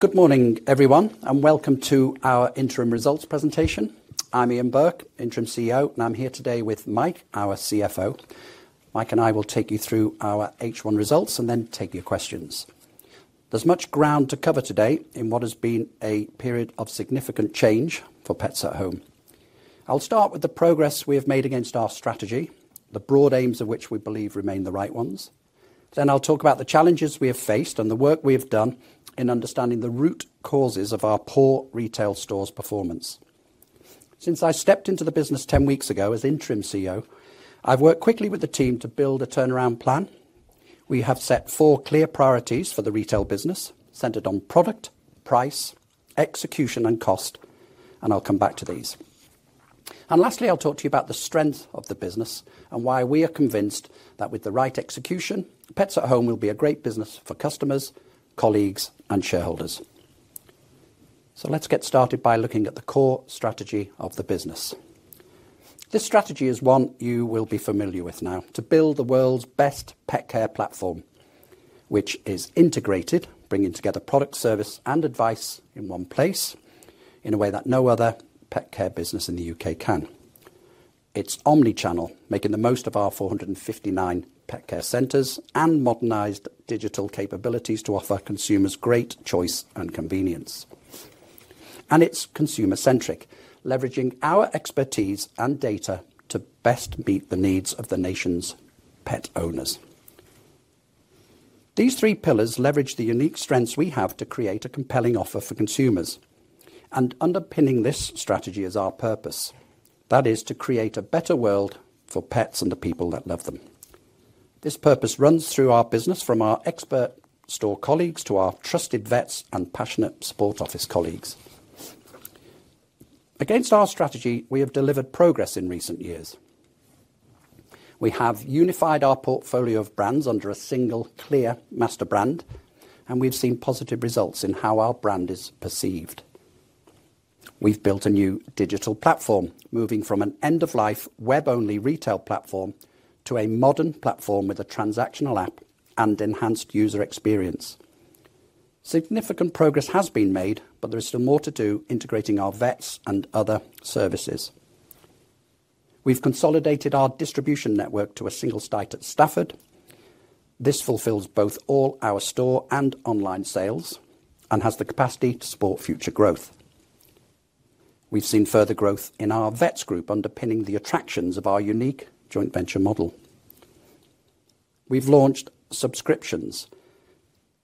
Good morning, everyone, and welcome to our interim results presentation. I'm Ian Burke, Interim CEO, and I'm here today with Mike, our CFO. Mike and I will take you through our H1 results and then take your questions. There is much ground to cover today in what has been a period of significant change for Pets at home. I'll start with the progress we have made against our strategy, the broad aims of which we believe remain the right ones. Then I'll talk about the challenges we have faced and the work we have done in understanding the root causes of our poor retail stores' performance. Since I stepped into the business 10 weeks ago as Interim CEO, I've worked quickly with the team to build a turnaround plan. We have set four clear priorities for the retail business centered on product, price, execution, and cost, and I'll come back to these. Lastly, I'll talk to you about the strength of the business and why we are convinced that with the right execution, Pets at home will be a great business for customers, colleagues, and shareholders. Let's get started by looking at the core strategy of the business. This strategy is one you will be familiar with now: to build the world's best pet care platform, which is integrated, bringing together product, service, and advice in one place in a way that no other pet care business in the U.K. can. It's omnichannel, making the most of our 459 pet care centres and modernized digital capabilities to offer consumers great choice and convenience. It is consumer-centric, leveraging our expertise and data to best meet the needs of the nation's pet owners. These three pillars leverage the unique strengths we have to create a compelling offer for consumers, and underpinning this strategy is our purpose, that is, to create a better world for pets and the people that love them. This purpose runs through our business, from our expert store colleagues to our trusted vets and passionate support office colleagues. Against our strategy, we have delivered progress in recent years. We have unified our portfolio of brands under a single, clear master brand, and we have seen positive results in how our brand is perceived. We have built a new digital platform, moving from an end-of-life, web-only retail platform to a modern platform with a transactional app and enhanced user experience. Significant progress has been made, but there is still more to do integrating our vets and other services. We have consolidated our distribution network to a single site at Stafford. This fulfills both all our store and online sales and has the capacity to support future growth. We have seen further growth in our vets group, underpinning the attractions of our unique joint venture model. We have launched subscriptions.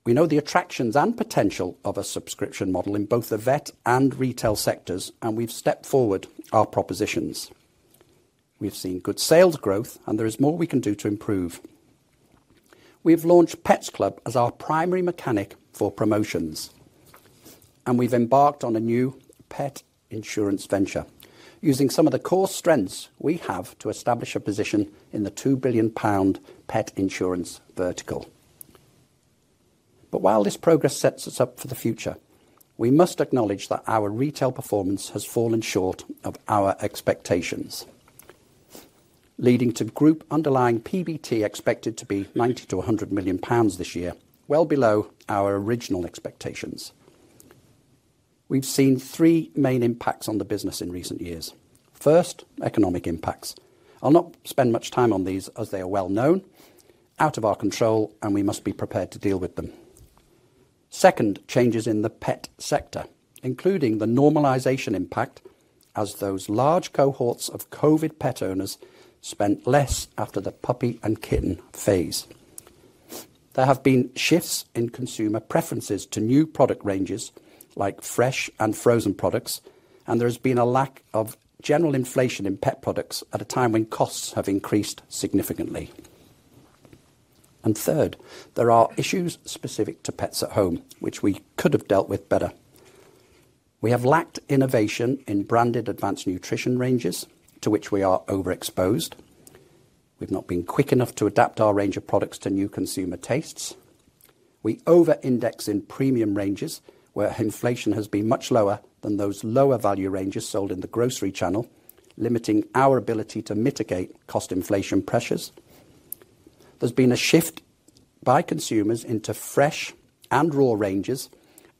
We know the attractions and potential of a subscription model in both the vet and retail sectors, and we have stepped forward our propositions. We have seen good sales growth, and there is more we can do to improve. We have launched Pets Club as our primary mechanic for promotions, and we have embarked on a new pet insurance venture using some of the core strengths we have to establish a position in the 2 billion pound pet insurance vertical. While this progress sets us up for the future, we must acknowledge that our retail performance has fallen short of our expectations, leading to group underlying PBT expected to be 90 million-100 million pounds this year, well below our original expectations. We've seen three main impacts on the business in recent years. First, economic impacts. I'll not spend much time on these as they are well known, out of our control, and we must be prepared to deal with them. Second, changes in the pet sector, including the normalisation impact as those large cohorts of COVID pet owners spent less after the puppy and kitten phase. There have been shifts in consumer preferences to new product ranges like fresh and frozen products, and there has been a lack of general inflation in pet products at a time when costs have increased significantly. There are issues specific to Pets at home, which we could have dealt with better. We have lacked innovation in branded advanced nutrition ranges to which we are overexposed. We've not been quick enough to adapt our range of products to new consumer tastes. We overindex in premium ranges where inflation has been much lower than those lower value ranges sold in the grocery channel, limiting our ability to mitigate cost inflation pressures. There's been a shift by consumers into fresh and raw ranges,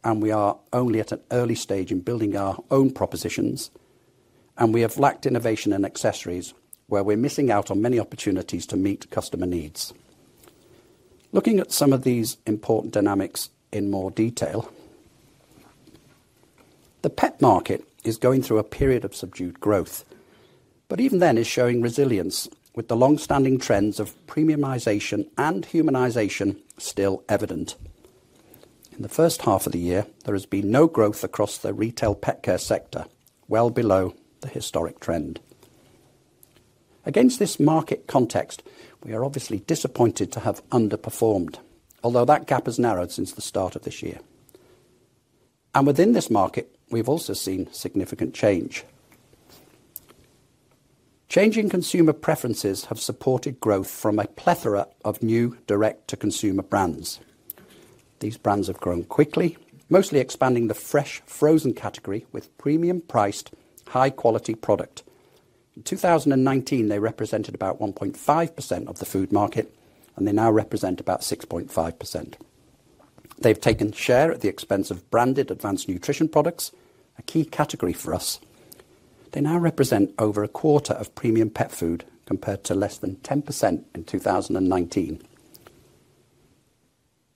and we are only at an early stage in building our own propositions, and we have lacked innovation in accessories where we're missing out on many opportunities to meet customer needs. Looking at some of these important dynamics in more detail, the pet market is going through a period of subdued growth, but even then is showing resilience with the long-standing trends of premiumisation and humanisation still evident. In the first half of the year, there has been no growth across the retail pet care sector, well below the historic trend. Against this market context, we are obviously disappointed to have underperformed, although that gap has narrowed since the start of this year. Within this market, we've also seen significant change. Changing consumer preferences have supported growth from a plethora of new direct-to-consumer brands. These brands have grown quickly, mostly expanding the fresh frozen category with premium-priced, high-quality product. In 2019, they represented about 1.5% of the food market, and they now represent about 6.5%. They've taken share at the expense of branded advanced nutrition products, a key category for us. They now represent over a quarter of premium pet food compared to less than 10% in 2019.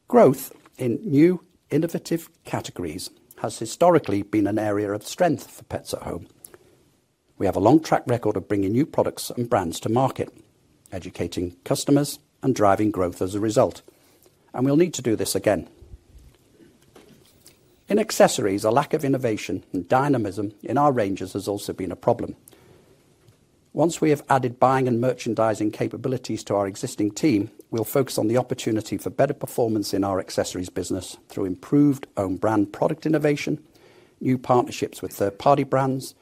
Growth in new innovative categories has historically been an area of strength for Pets at home. We have a long track record of bringing new products and brands to market, educating customers and driving growth as a result, and we'll need to do this again. In accessories, a lack of innovation and dynamism in our ranges has also been a problem. Once we have added buying and merchandising capabilities to our existing team, we'll focus on the opportunity for better performance in our accessories business through improved own-brand product innovation, new partnerships with third-party brands,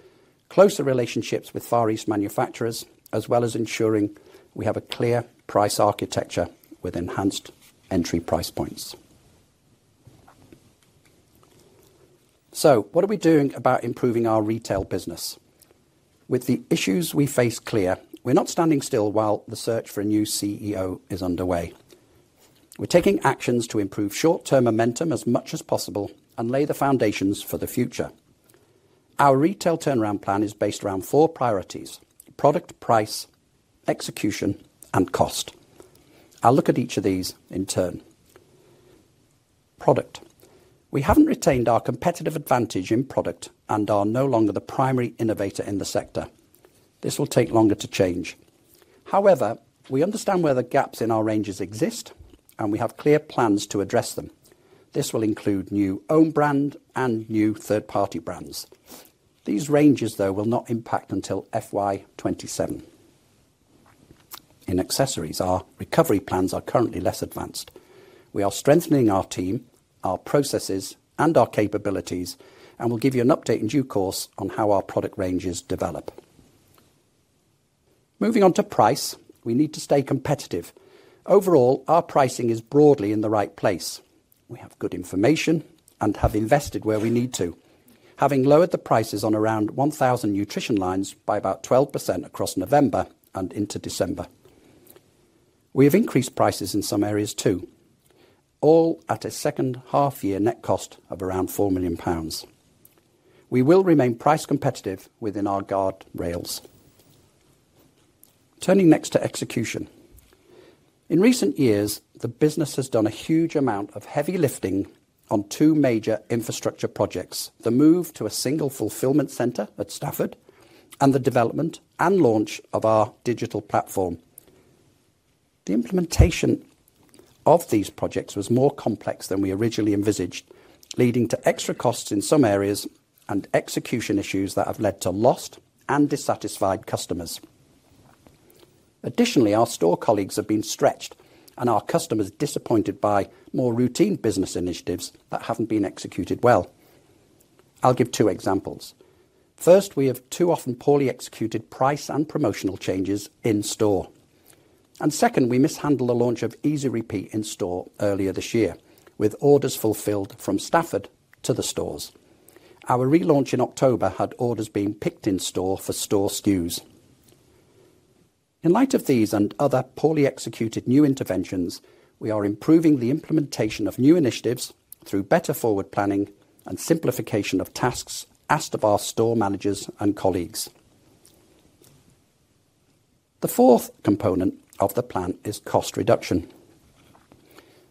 closer relationships with Far East manufacturers, as well as ensuring we have a clear price architecture with enhanced entry price points. What are we doing about improving our retail business? With the issues we face clear, we're not standing still while the search for a new CEO is underway. We're taking actions to improve short-term momentum as much as possible and lay the foundations for the future. Our retail turnaround plan is based around four priorities: product, price, execution, and cost. I'll look at each of these in turn. Product. We haven't retained our competitive advantage in product and are no longer the primary innovator in the sector. This will take longer to change. However, we understand where the gaps in our ranges exist, and we have clear plans to address them. This will include new own-brand and new third-party brands. These ranges, though, will not impact until FY 2027. In accessories, our recovery plans are currently less advanced. We are strengthening our team, our processes, and our capabilities, and we'll give you an update in due course on how our product ranges develop. Moving on to price, we need to stay competitive. Overall, our pricing is broadly in the right place. We have good information and have invested where we need to, having lowered the prices on around 1,000 nutrition lines by about 12% across November and into December. We have increased prices in some areas too, all at a second half-year net cost of around 4 million pounds. We will remain price competitive within our guardrails. Turning next to execution. In recent years, the business has done a huge amount of heavy lifting on two major infrastructure projects: the move to a single fulfilment centre at Stafford and the development and launch of our digital platform. The implementation of these projects was more complex than we originally envisaged, leading to extra costs in some areas and execution issues that have led to lost and dissatisfied customers. Additionally, our store colleagues have been stretched, and our customers are disappointed by more routine business initiatives that have not been executed well. I'll give two examples. First, we have too often poorly executed price and promotional changes in store. Second, we mishandled the launch of Easy Repeat in store earlier this year, with orders fulfilled from Stafford to the stores. Our relaunch in October had orders being picked in store for store SKUs. In light of these and other poorly executed new interventions, we are improving the implementation of new initiatives through better forward planning and simplification of tasks asked of our store managers and colleagues. The fourth component of the plan is cost reduction.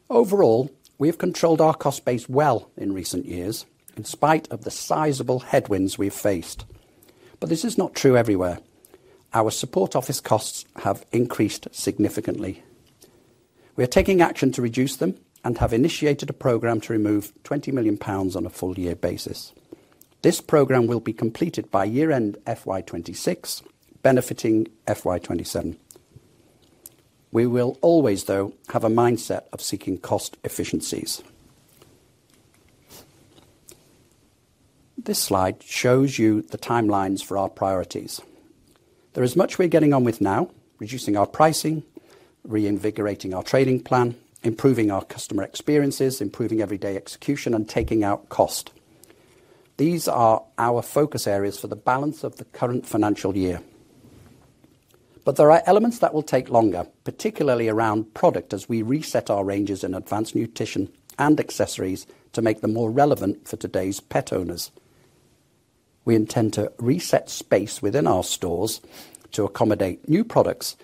Overall, we have controlled our cost base well in recent years in spite of the sizable headwinds we've faced. This is not true everywhere. Our support office costs have increased significantly. We are taking action to reduce them and have initiated a program to remove 20 million pounds on a full-year basis. This program will be completed by year-end FY 2026, benefiting FY 2027. We will always, though, have a mindset of seeking cost efficiencies. This slide shows you the timelines for our priorities. There is much we're getting on with now: reducing our pricing, reinvigorating our training plan, improving our customer experiences, improving everyday execution, and taking out cost. These are our focus areas for the balance of the current financial year. There are elements that will take longer, particularly around product as we reset our ranges in advanced nutrition and accessories to make them more relevant for today's pet owners. We intend to reset space within our stores to accommodate new products,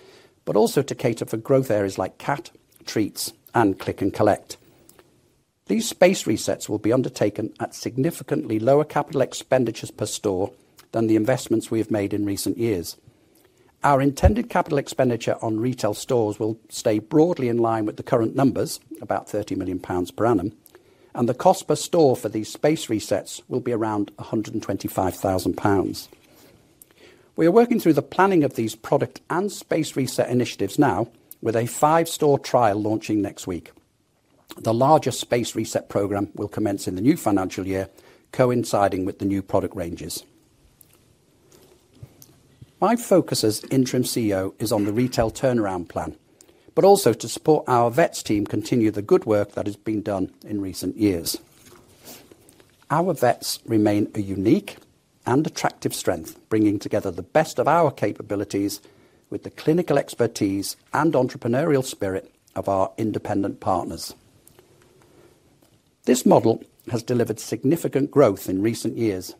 but also to cater for growth areas like cat, treats, and click and collect. These space resets will be undertaken at significantly lower capital expenditures per store than the investments we have made in recent years. Our intended capital expenditure on retail stores will stay broadly in line with the current numbers, about 30 million pounds per annum, and the cost per store for these space resets will be around 125,000 pounds. We are working through the planning of these product and space reset initiatives now, with a five-store trial launching next week. The larger space reset programme will commence in the new financial year, coinciding with the new product ranges. My focus as Interim CEO is on the retail turnaround plan, but also to support our vets team continue the good work that has been done in recent years. Our vets remain a unique and attractive strength, bringing together the best of our capabilities with the clinical expertise and entrepreneurial spirit of our independent partners. This model has delivered significant growth in recent years,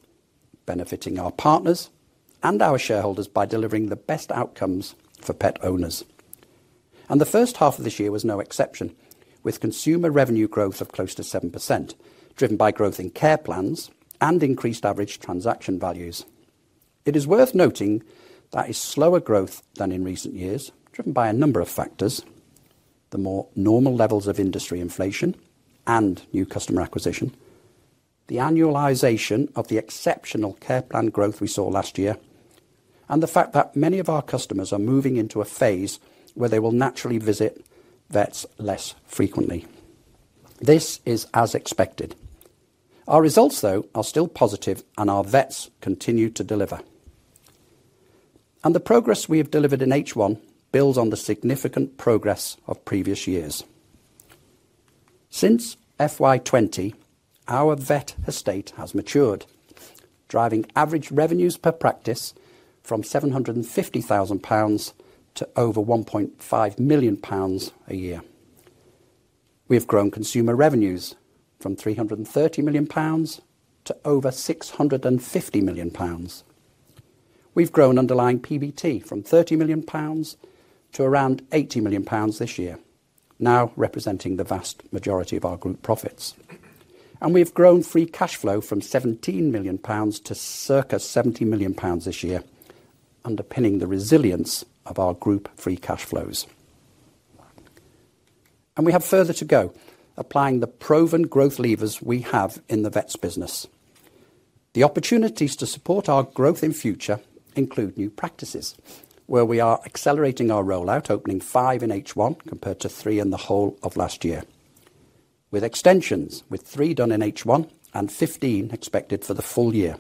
benefiting our partners and our shareholders by delivering the best outcomes for pet owners. The first half of this year was no exception, with consumer revenue growth of close to 7%, driven by growth in care plans and increased average transaction values. It is worth noting that it is slower growth than in recent years, driven by a number of factors: the more normal levels of industry inflation and new customer acquisition, the annualisation of the exceptional care plan growth we saw last year, and the fact that many of our customers are moving into a phase where they will naturally visit vets less frequently. This is as expected. Our results, though, are still positive, and our vets continue to deliver. The progress we have delivered in H1 builds on the significant progress of previous years. Since FY 2020, our vet estate has matured, driving average revenues per practice from 750,000 pounds to over 1.5 million pounds a year. We have grown consumer revenues from 330 million pounds to over 650 million pounds. We've grown underlying PBT from 30 million pounds to around 80 million pounds this year, now representing the vast majority of our group profits. We have grown free cash flow from 17 million pounds to circa 70 million pounds this year, underpinning the resilience of our group free cash flows. We have further to go, applying the proven growth levers we have in the vets business. The opportunities to support our growth in future include new practices, where we are accelerating our rollout, opening five in H1 compared to three in the whole of last year, with extensions with three done in H1 and 15 expected for the full year,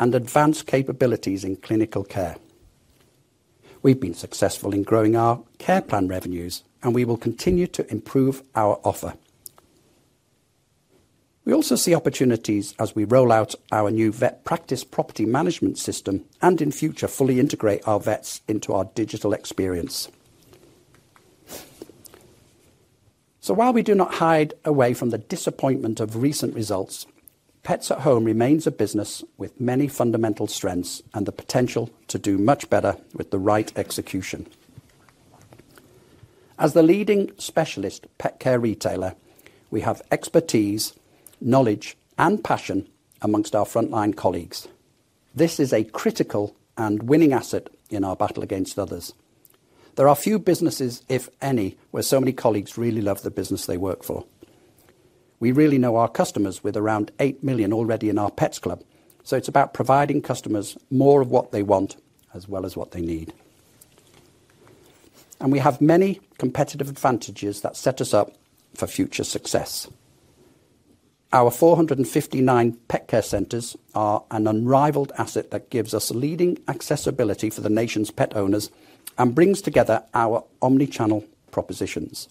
and advanced capabilities in clinical care. We have been successful in growing our care plan revenues, and we will continue to improve our offer. We also see opportunities as we rollout our new vet practice property management system and, in future, fully integrate our vets into our digital experience. While we do not hide away from the disappointment of recent results, Pets at home remains a business with many fundamental strengths and the potential to do much better with the right execution. As the leading specialist pet care retailer, we have expertise, knowledge, and passion amongst our frontline colleagues. This is a critical and winning asset in our battle against others. There are few businesses, if any, where so many colleagues really love the business they work for. We really know our customers with around 8 million already in our Pets Club, so it's about providing customers more of what they want as well as what they need. We have many competitive advantages that set us up for future success. Our 459 pet care centres are an unrivaled asset that gives us leading accessibility for the nation's pet owners and brings together our omnichannel propositions.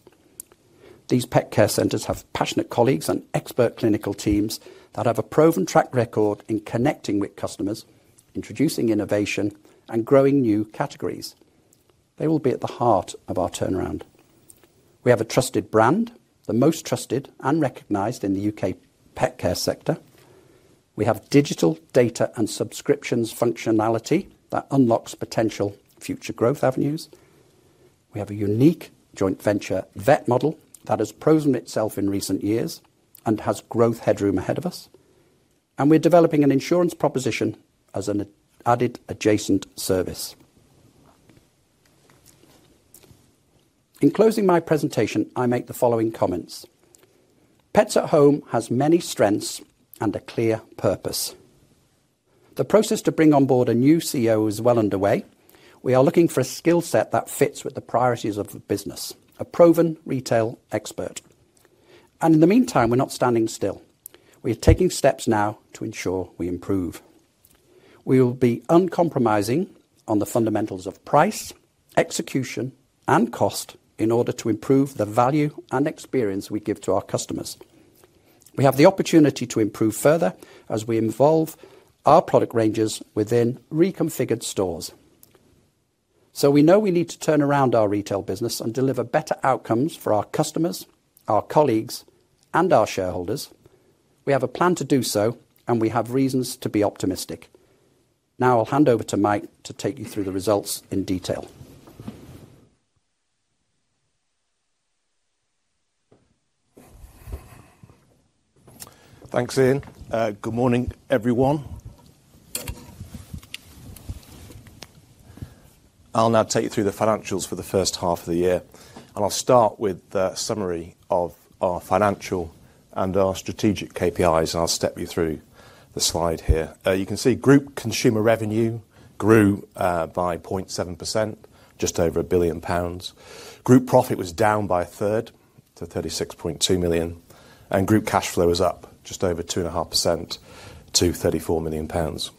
These pet care centres have passionate colleagues and expert clinical teams that have a proven track record in connecting with customers, introducing innovation, and growing new categories. They will be at the heart of our turnaround. We have a trusted brand, the most trusted and recognized in the U.K. pet care sector. We have digital data and subscriptions functionality that unlocks potential future growth avenues. We have a unique joint venture vet model that has proven itself in recent years and has growth headroom ahead of us. We are developing an insurance proposition as an added adjacent service. In closing my presentation, I make the following comments: Pets at home has many strengths and a clear purpose. The process to bring on board a new CEO is well underway. We are looking for a skill set that fits with the priorities of the business, a proven retail expert. In the meantime, we're not standing still. We are taking steps now to ensure we improve. We will be uncompromising on the fundamentals of price, execution, and cost in order to improve the value and experience we give to our customers. We have the opportunity to improve further as we involve our product ranges within reconfigured stores. We know we need to turn around our retail business and deliver better outcomes for our customers, our colleagues, and our shareholders. We have a plan to do so, and we have reasons to be optimistic. Now I'll hand over to Mike to take you through the results in detail. Thanks, Ian. Good morning, everyone. I'll now take you through the financials for the first half of the year. I'll start with the summary of our financial and our strategic KPIs, and I'll step you through the slide here. You can see group consumer revenue grew by 0.7% to just over 1 billion pounds. Group profit was down by 1/3 to 36.2 million, and group cash flow was up just over 2.5% to 34 million pounds.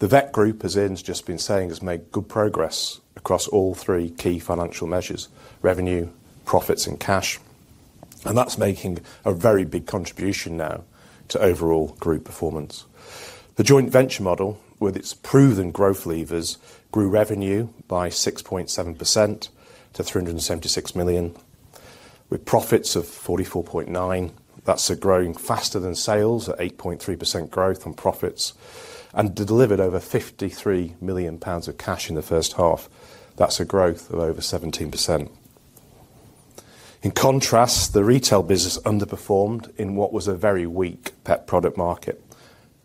The Vet Group, as Ian's just been saying, has made good progress across all three key financial measures: revenue, profits, and cash. That's making a very big contribution now to overall group performance. The joint venture model, with its proven growth levers, grew revenue by 6.7% to 376 million, with profits of 44.9. That's growing faster than sales at 8.3% growth on profits, and delivered over 53 million pounds of cash in the first half. That's a growth of over 17%. In contrast, the retail business underperformed in what was a very weak pet product market.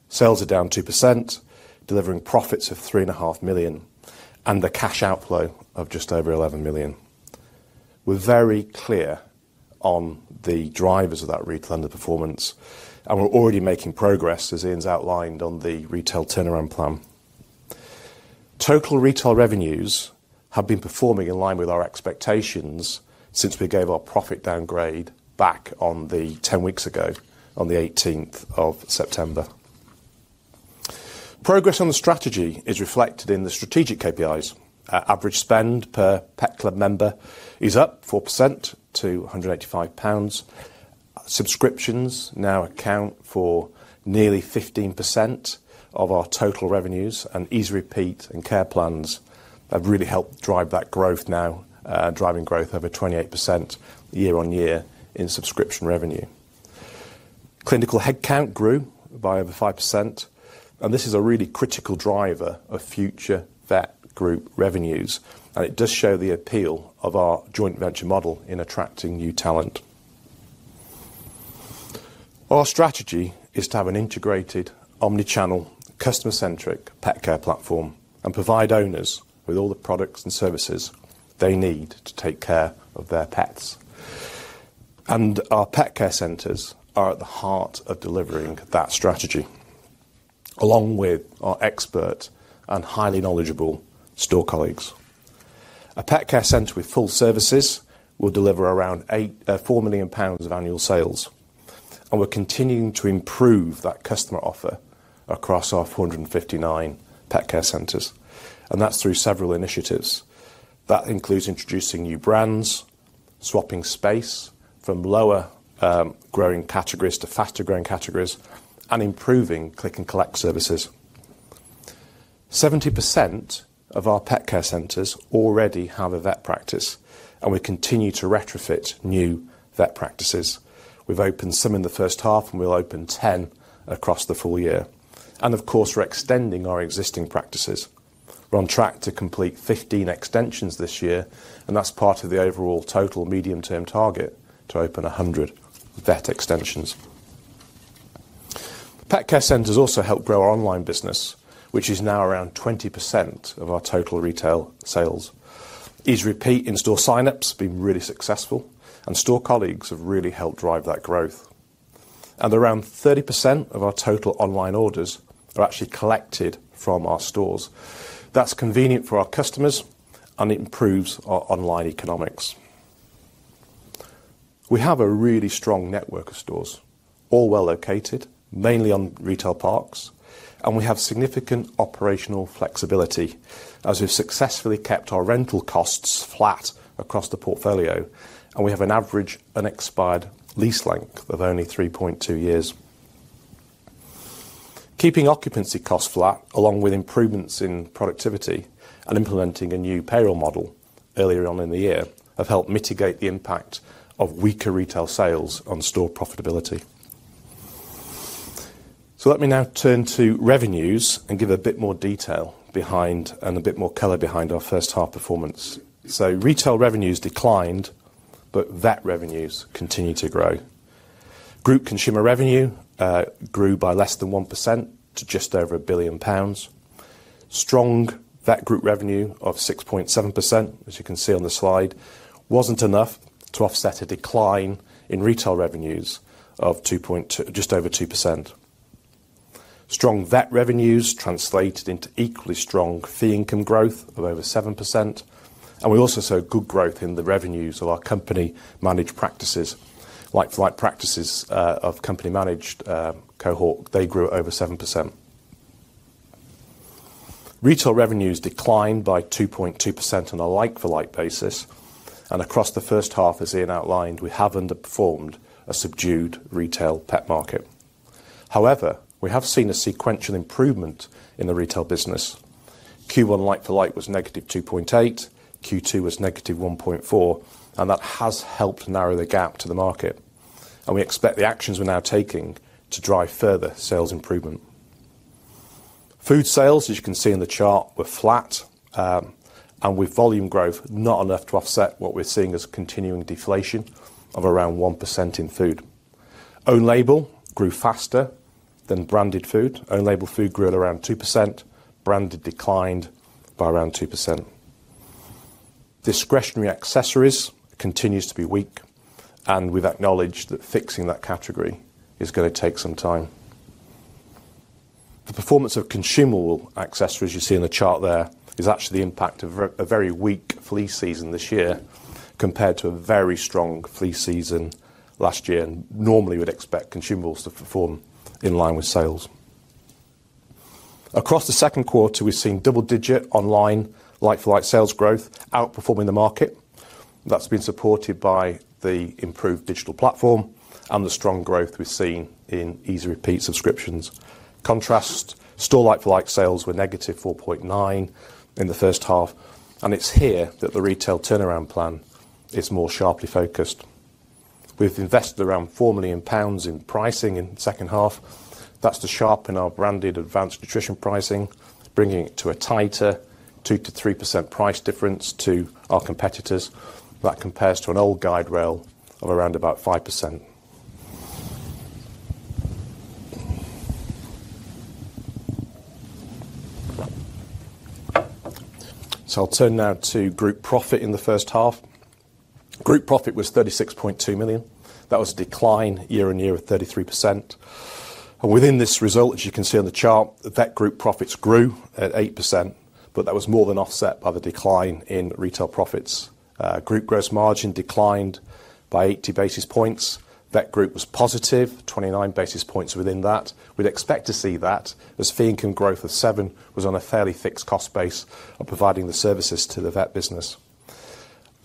Sales are down 2%, delivering profits of 3.5 million, and the cash outflow of just over 11 million. We're very clear on the drivers of that retail underperformance, and we're already making progress, as Ian's outlined on the retail turnaround plan. Total retail revenues have been performing in line with our expectations since we gave our profit downgrade back on the 10 weeks ago, on the 18th of September. Progress on the strategy is reflected in the strategic KPIs. Average spend per Pets Club member is up 4% to 185 pounds. Subscriptions now account for nearly 15% of our total revenues, and Easy Repeat and care plans have really helped drive that growth now, driving growth of 28% year on year in subscription revenue. Clinical headcount grew by over 5%, and this is a really critical driver of future Vet Group revenues. It does show the appeal of our joint venture model in attracting new talent. Our strategy is to have an integrated omnichannel customer-centric pet care platform and provide owners with all the products and services they need to take care of their pets. Our pet care centres are at the heart of delivering that strategy, along with our expert and highly knowledgeable store colleagues. A pet care centre with full services will deliver around 4 million pounds of annual sales. We are continuing to improve that customer offer across our 459 pet care centres. That is through several initiatives. That includes introducing new brands, swapping space from lower growing categories to faster growing categories, and improving click and collect services. 70% of our pet care centres already have a vet practice, and we continue to retrofit new vet practices. We have opened some in the first half, and we will open 10 across the full year. Of course, we are extending our existing practices. We are on track to complete 15 extensions this year, and that is part of the overall total medium-term target to open 100 vet extensions. Pet care centres also help grow our online business, which is now around 20% of our total retail sales. Easy Repeat in-store sign-ups have been really successful, and store colleagues have really helped drive that growth. Around 30% of our total online orders are actually collected from our stores. That is convenient for our customers, and it improves our online economics. We have a really strong network of stores, all well located, mainly on retail parks, and we have significant operational flexibility, as we've successfully kept our rental costs flat across the portfolio, and we have an average unexpired lease length of only 3.2 years. Keeping occupancy costs flat, along with improvements in productivity and implementing a new payroll model earlier on in the year, have helped mitigate the impact of weaker retail sales on store profitability. Let me now turn to revenues and give a bit more detail behind and a bit more color behind our first half performance. Retail revenues declined, but vet revenues continued to grow. Group consumer revenue grew by less than 1% to just over 1 billion pounds. Strong Vet Group revenue of 6.7%, as you can see on the slide, was not enough to offset a decline in retail revenues of just over 2%. Strong vet revenues translated into equally strong fee income growth of over 7%. We also saw good growth in the revenues of our company-managed practices, like-for-like practices of company-managed cohort. They grew over 7%. Retail revenues declined by 2.2% on a like-for-like basis. Across the first half, as Ian outlined, we have underperformed a subdued retail pet market. However, we have seen a sequential improvement in the retail business. Q1 like-for-like was -2.8, Q2 was -1.4, and that has helped narrow the gap to the market. We expect the actions we are now taking to drive further sales improvement. Food sales, as you can see in the chart, were flat, and with volume growth, not enough to offset what we are seeing as continuing deflation of around 1% in food. Own label grew faster than branded food. Own label food grew at around 2%. Branded declined by around 2%. Discretionary accessories continues to be weak, and we've acknowledged that fixing that category is going to take some time. The performance of consumable accessories, as you see in the chart there, is actually the impact of a very weak flea season this year compared to a very strong flea season last year. Normally, we'd expect consumables to perform in line with sales. Across the second quarter, we've seen double-digit online like-for-like sales growth, outperforming the market. That's been supported by the improved digital platform and the strong growth we've seen in Easy Repeat subscriptions. In contrast, store like-for-like sales were -4.9% in the first half, and it's here that the retail turnaround plan is more sharply focused. We've invested around GBP 4 million in pricing in the second half. That's to sharpen our branded advanced nutrition pricing, bringing it to a tighter 2%-3% price difference to our competitors. That compares to an old guide rail of around about 5%. I'll turn now to group profit in the first half. Group profit was 36.2 million. That was a decline year on year of 33%. Within this result, as you can see on the chart, Vet Group profits grew at 8%, but that was more than offset by the decline in retail profits. Group gross margin declined by 80 basis points. Vet group was positive, 29 basis points within that. We'd expect to see that as fee income growth of 7% was on a fairly fixed cost base of providing the services to the vet business.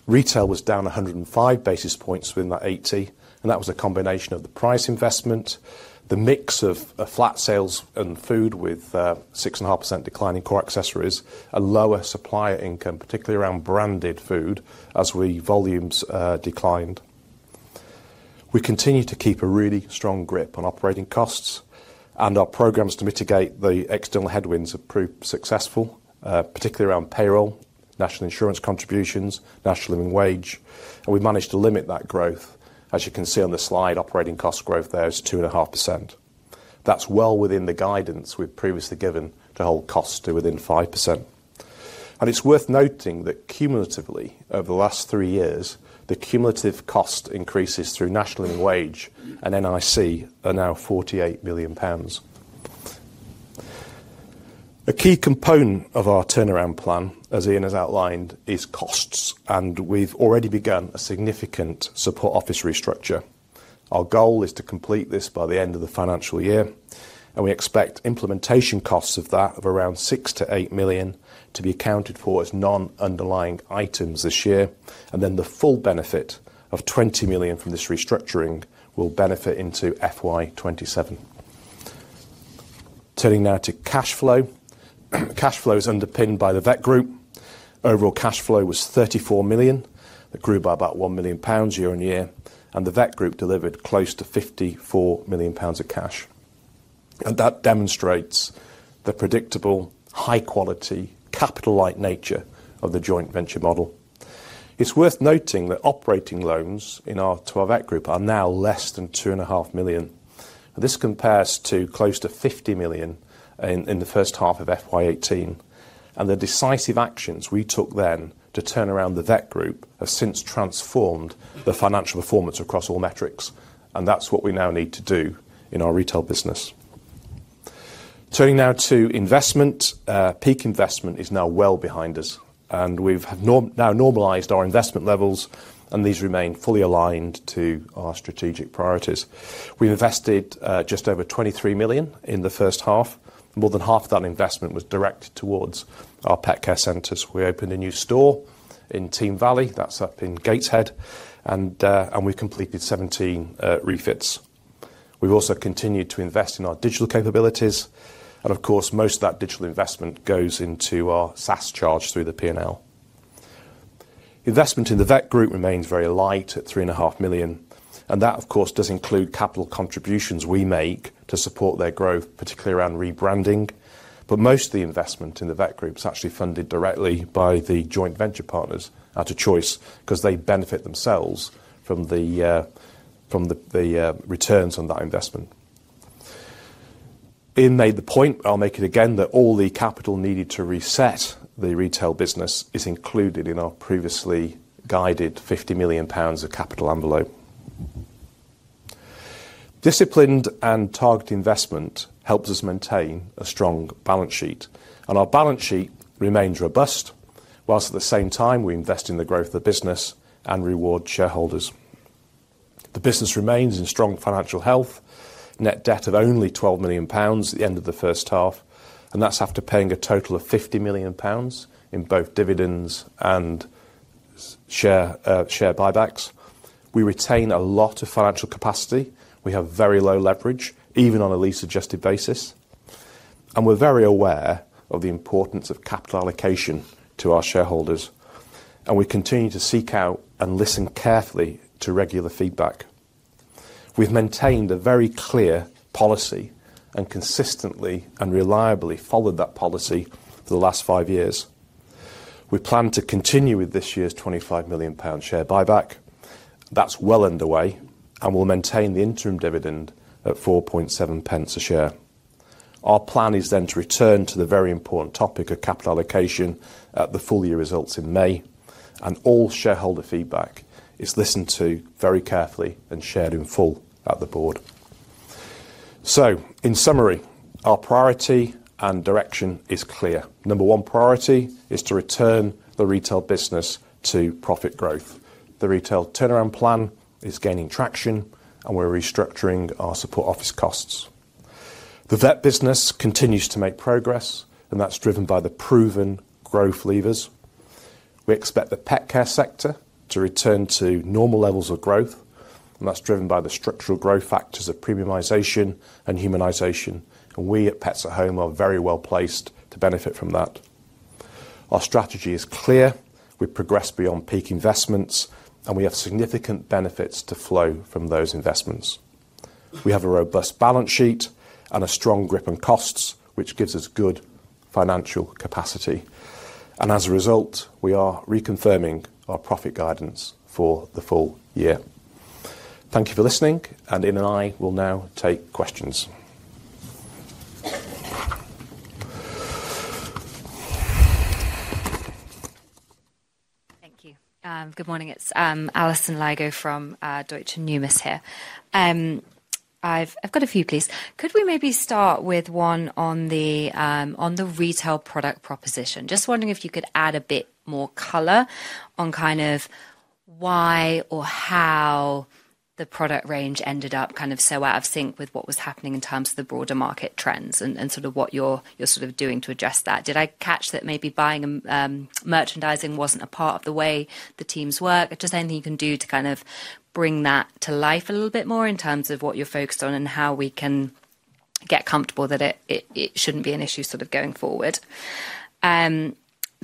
Retail was down 105 basis points within that 80%, and that was a combination of the price investment, the mix of flat sales in food with a 6.5% decline in core accessories, a lower supplier income, particularly around branded food, as volumes declined. We continue to keep a really strong grip on operating costs, and our programs to mitigate the external headwinds have proved successful, particularly around payroll, national insurance contributions, national living wage. We have managed to limit that growth. As you can see on the slide, operating cost growth there is 2.5%. That is well within the guidance we have previously given to hold costs to within 5%. It is worth noting that cumulatively, over the last three years, the cumulative cost increases through national living wage and NIC are now 48 million pounds. A key component of our turnaround plan, as Ian has outlined, is costs, and we've already begun a significant support office restructure. Our goal is to complete this by the end of the financial year, and we expect implementation costs of that of around 6 million-8 million to be accounted for as non-underlying items this year. The full benefit of 20 million from this restructuring will benefit into FY 2027. Turning now to cash flow. Cash flow is underpinned by the Vet Group. Overall cash flow was 34 million. It grew by about 1 million pounds year on year, and the Vet Group delivered close to 54 million pounds of cash. That demonstrates the predictable, high-quality, capital-like nature of the joint venture model. It's worth noting that operating loans to our Vet Group are now less than 2.5 million. This compares to close to 50 million in the first half of FY 2018. The decisive actions we took then to turn around the Vet Group have since transformed the financial performance across all metrics, and that is what we now need to do in our retail business. Turning now to investment, peak investment is now well behind us, and we have now normalized our investment levels, and these remain fully aligned to our strategic priorities. We have invested just over 23 million in the first half. More than half of that investment was directed towards our pet care centres. We opened a new store in Team Valley, which is up in Gateshead, and we have completed 17 refits. We have also continued to invest in our digital capabilities, and of course, most of that digital investment goes into our SaaS charge through the P&L. Investment in the Vet Group remains very light at 3.5 million, and that, of course, does include capital contributions we make to support their growth, particularly around rebranding. Most of the investment in the Vet Group is actually funded directly by the joint venture partners out of choice because they benefit themselves from the returns on that investment. Ian made the point, I'll make it again, that all the capital needed to reset the retail business is included in our previously guided 50 million pounds of capital envelope. Disciplined and targeted investment helps us maintain a strong balance sheet, and our balance sheet remains robust whilst, at the same time, we invest in the growth of the business and reward shareholders. The business remains in strong financial health, net debt of only 12 million pounds at the end of the first half, and that's after paying a total of 50 million pounds in both dividends and share buybacks. We retain a lot of financial capacity. We have very low leverage, even on a lease-adjusted basis, and we're very aware of the importance of capital allocation to our shareholders, and we continue to seek out and listen carefully to regular feedback. We've maintained a very clear policy and consistently and reliably followed that policy for the last five years. We plan to continue with this year's 25 million pound share buyback. That's well underway, and we'll maintain the interim dividend at 4.7 pence a share. Our plan is then to return to the very important topic of capital allocation at the full year results in May, and all shareholder feedback is listened to very carefully and shared in full at the board. In summary, our priority and direction is clear. Number one priority is to return the retail business to profit growth. The retail turnaround plan is gaining traction, and we're restructuring our support office costs. The vet business continues to make progress, and that's driven by the proven growth levers. We expect the pet care sector to return to normal levels of growth, and that's driven by the structural growth factors of premiumisation and humanisation, and we at Pets at home are very well placed to benefit from that. Our strategy is clear. We've progressed beyond peak investments, and we have significant benefits to flow from those investments. We have a robust balance sheet and a strong grip on costs, which gives us good financial capacity. As a result, we are reconfirming our profit guidance for the full year. Thank you for listening, and Ian and I will now take questions. Thank you. Good morning. It's Alison Lygo from Deutsche Numis here. I've got a few, please. Could we maybe start with one on the retail product proposition? Just wondering if you could add a bit more color on kind of why or how the product range ended up kind of so out of sync with what was happening in terms of the broader market trends and sort of what you're sort of doing to address that. Did I catch that maybe buying and merchandising wasn't a part of the way the teams work? Just anything you can do to kind of bring that to life a little bit more in terms of what you're focused on and how we can get comfortable that it shouldn't be an issue going forward. The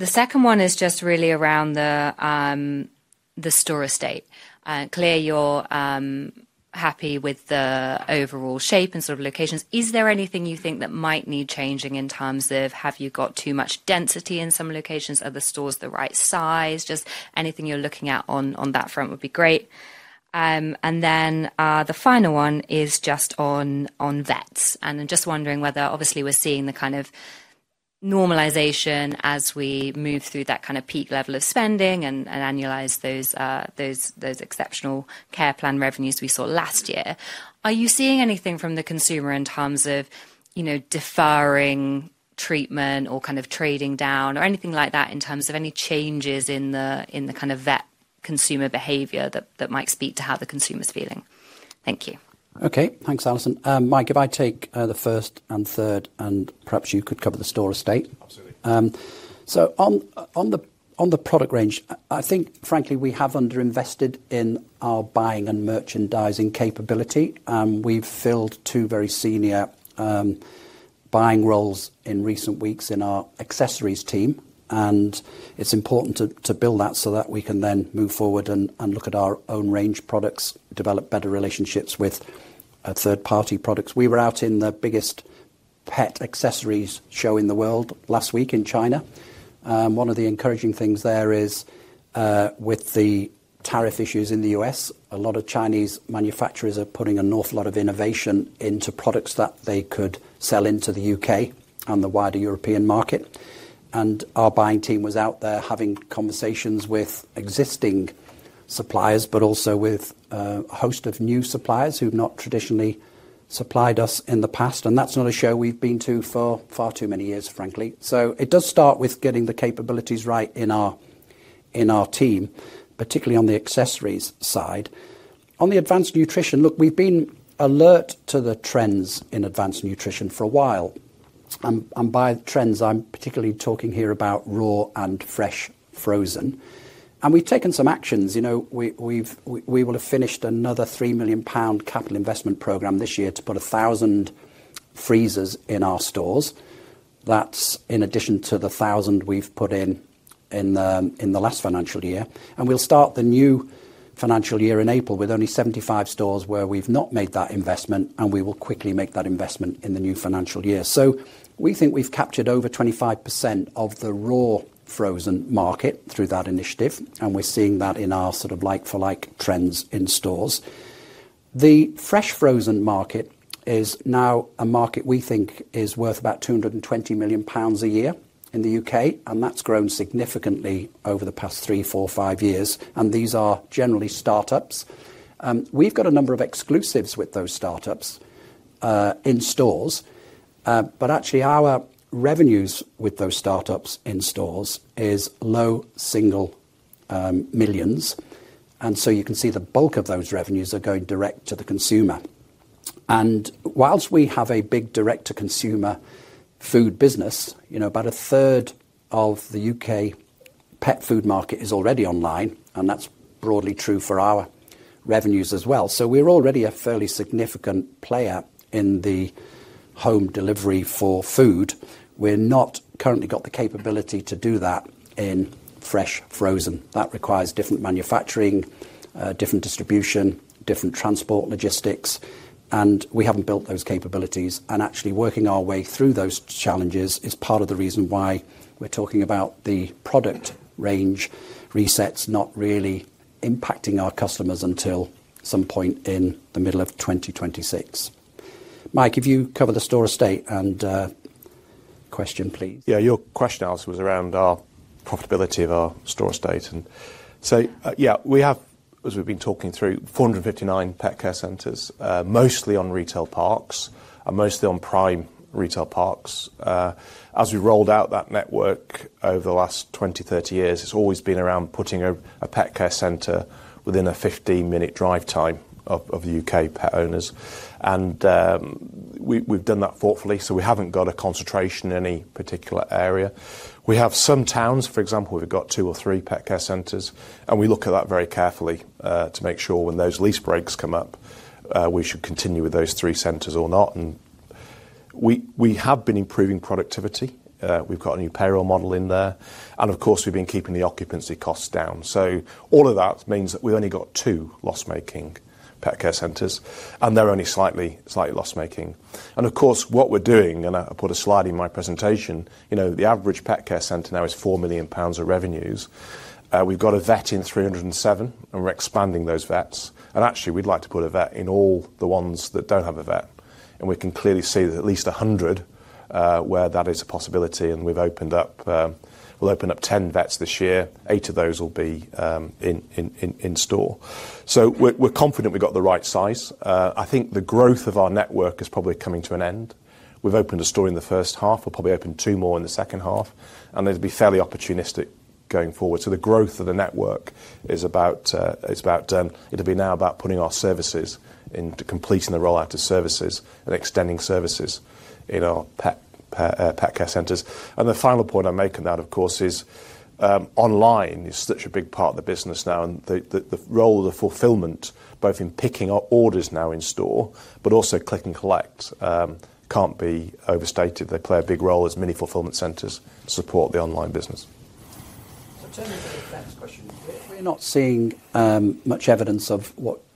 second one is just really around the store estate. Clear, you're happy with the overall shape and locations. Is there anything you think that might need changing in terms of have you got too much density in some locations? Are the stores the right size? Just anything you're looking at on that front would be great. The final one is just on vets. I'm just wondering whether, obviously, we're seeing the kind of normalisation as we move through that kind of peak level of spending and annualize those exceptional care plan revenues we saw last year. Are you seeing anything from the consumer in terms of deferring treatment or kind of trading down or anything like that in terms of any changes in the kind of vet consumer behaviour that might speak to how the consumer's feeling? Thank you. Okay, thanks, Alison. Mike, if I take the first and third, and perhaps you could cover the store estate. Absolutely. On the product range, I think, frankly, we have underinvested in our buying and merchandising capability. We've filled two very senior buying roles in recent weeks in our accessories team, and it's important to build that so that we can then move forward and look at our own range products, develop better relationships with third-party products. We were out in the biggest pet accessories show in the world last week in China. One of the encouraging things there is, with the tariff issues in the U.S., a lot of Chinese manufacturers are putting an awful lot of innovation into products that they could sell into the U.K. and the wider European market. Our buying team was out there having conversations with existing suppliers, but also with a host of new suppliers who've not traditionally supplied us in the past. That is not a show we've been to for far too many years, frankly. It does start with getting the capabilities right in our team, particularly on the accessories side. On the advanced nutrition, look, we've been alert to the trends in advanced nutrition for a while. By trends, I'm particularly talking here about raw and fresh frozen. We've taken some actions. We will have finished another 3 million pound capital investment program this year to put 1,000 freezers in our stores. That is in addition to the 1,000 we have put in in the last financial year. We will start the new financial year in April with only 75 stores where we have not made that investment, and we will quickly make that investment in the new financial year. We think we have captured over 25% of the raw frozen market through that initiative, and we are seeing that in our sort of like-for-like trends in stores. The fresh frozen market is now a market we think is worth about 220 million pounds a year in the U.K., and that has grown significantly over the past three, four, five years, and these are generally startups. have got a number of exclusives with those startups in stores, but actually our revenues with those startups in stores is low single millions. You can see the bulk of those revenues are going direct to the consumer. Whilst we have a big direct-to-consumer food business, about 1/3 of the U.K. pet food market is already online, and that is broadly true for our revenues as well. We are already a fairly significant player in the home delivery for food. We have not currently got the capability to do that in fresh frozen. That requires different manufacturing, different distribution, different transport logistics, and we have not built those capabilities. Actually working our way through those challenges is part of the reason why we are talking about the product range resets not really impacting our customers until some point in the middle of 2026. Mike, if you cover the store estate and question, please. Yeah, your question, Alison, was around our profitability of our store estate. Yeah, we have, as we've been talking through, 459 pet care centres, mostly on retail parks and mostly on prime retail parks. As we rolled out that network over the last 20, 30 years, it's always been around putting a pet care centre within a 15-minute drive time of the U.K. pet owners. We've done that thoughtfully, so we haven't got a concentration in any particular area. We have some towns, for example, we've got two or three pet care centres, and we look at that very carefully to make sure when those lease breaks come up, we should continue with those three centres or not. We have been improving productivity. We've got a new payroll model in there. Of course, we have been keeping the occupancy costs down. All of that means that we have only got two loss-making pet care centres, and they are only slightly loss-making. What we are doing, and I put a slide in my presentation, the average pet care centre now is 4 million pounds of revenues. We have got a vet in 307, and we are expanding those vets. Actually, we would like to put a vet in all the ones that do not have a vet. We can clearly see that at least 100 where that is a possibility, and we have opened up, we will open up 10 vets this year. Eight of those will be in store. We are confident we have got the right size. I think the growth of our network is probably coming to an end. We have opened a store in the first half. We'll probably open two more in the second half, and they'll be fairly opportunistic going forward. The growth of the network is about, it'll be now about putting our services into completing the rollout of services and extending services in our pet care centres. The final point I make on that, of course, is online is such a big part of the business now, and the role of fulfilment, both in picking up orders now in store, but also click and collect can't be overstated. They play a big role as many fulfilment centres support the online business. Turning to the vet question. We're not seeing much evidence of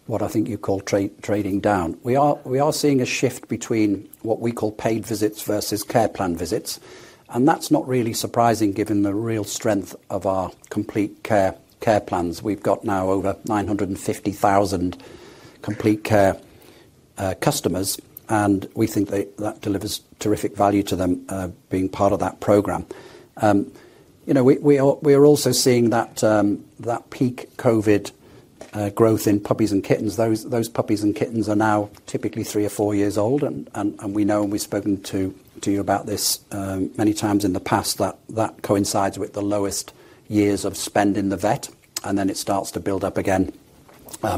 what I think you call trading down. We are seeing a shift between what we call paid visits versus care plan visits, and that's not really surprising given the real strength of our Complete Care plans. We've got now over 950,000 Complete Care customers, and we think that that delivers terrific value to them being part of that program. We are also seeing that peak COVID growth in puppies and kittens. Those puppies and kittens are now typically three or four years old, and we know, and we've spoken to you about this many times in the past, that that coincides with the lowest years of spend in the vet, and it starts to build up again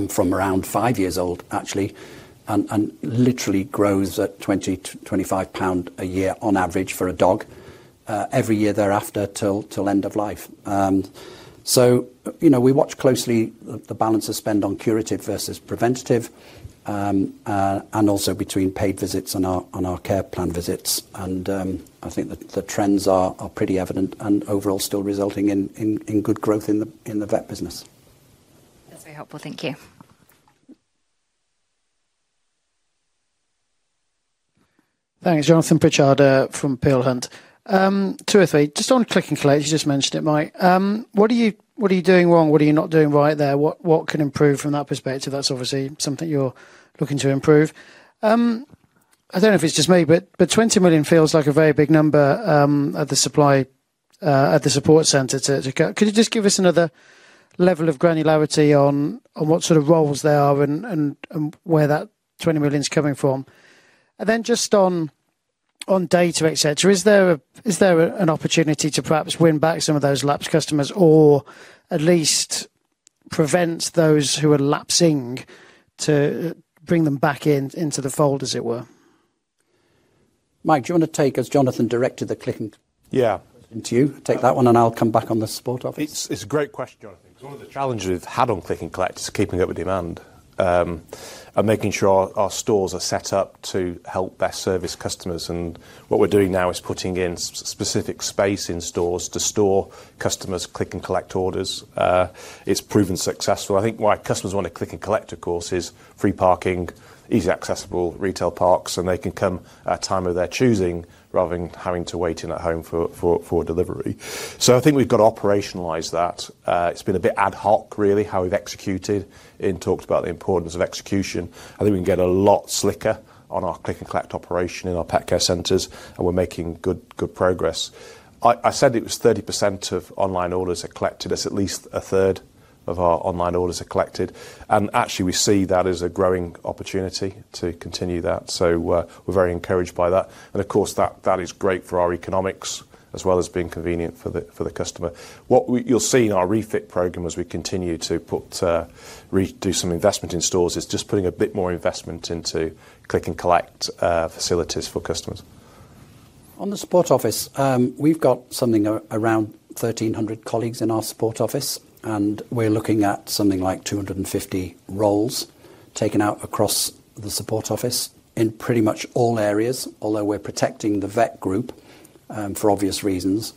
from around five years old, actually, and literally grows at 20-25 pound a year on average for a dog every year thereafter till end of life. We watch closely the balance of spend on curative versus preventative and also between paid visits and our care plan visits. I think the trends are pretty evident and overall still resulting in good growth in the vet business. That's very helpful. Thank you. Thanks, Jonathan Pritchard from Peel Hunt. Two or three, just on click and collect, you just mentioned it, Mike. What are you doing wrong? What are you not doing right there? What can improve from that perspective? That's obviously something you're looking to improve. I don't know if it's just me, but 20 million feels like a very big number at the support centre. Could you just give us another level of granularity on what sort of roles there are and where that 20 million's coming from? And then just on data, etc., is there an opportunity to perhaps win back some of those lapsed customers or at least prevent those who are lapsing to bring them back into the fold, as it were? Mike, do you want to take us, Jonathan, direct to the click and collect question to you? Take that one, and I'll come back on the support office. It's a great question, Jonathan. One of the challenges we've had on click and collect is keeping up with demand and making sure our stores are set up to help best service customers. And what we're doing now is putting in specific space in stores to store customers' click and collect orders. It's proven successful. I think why customers want to click and collect, of course, is free parking, easy accessible retail parks, and they can come at a time of their choosing rather than having to wait in at home for delivery. So I think we've got to operationalize that. It's been a bit ad hoc, really, how we've executed and talked about the importance of execution. I think we can get a lot slicker on our click and collect operation in our pet care centres, and we're making good progress. I said it was 30% of online orders are collected. That's at least 1/3 of our online orders are collected. Actually, we see that as a growing opportunity to continue that. We are very encouraged by that. Of course, that is great for our economics as well as being convenient for the customer. What you'll see in our refit programme as we continue to do some investment in stores is just putting a bit more investment into click and collect facilities for customers. On the support office, we've got something around 1,300 colleagues in our support office, and we're looking at something like 250 roles taken out across the support office in pretty much all areas, although we're protecting the Vet Group for obvious reasons,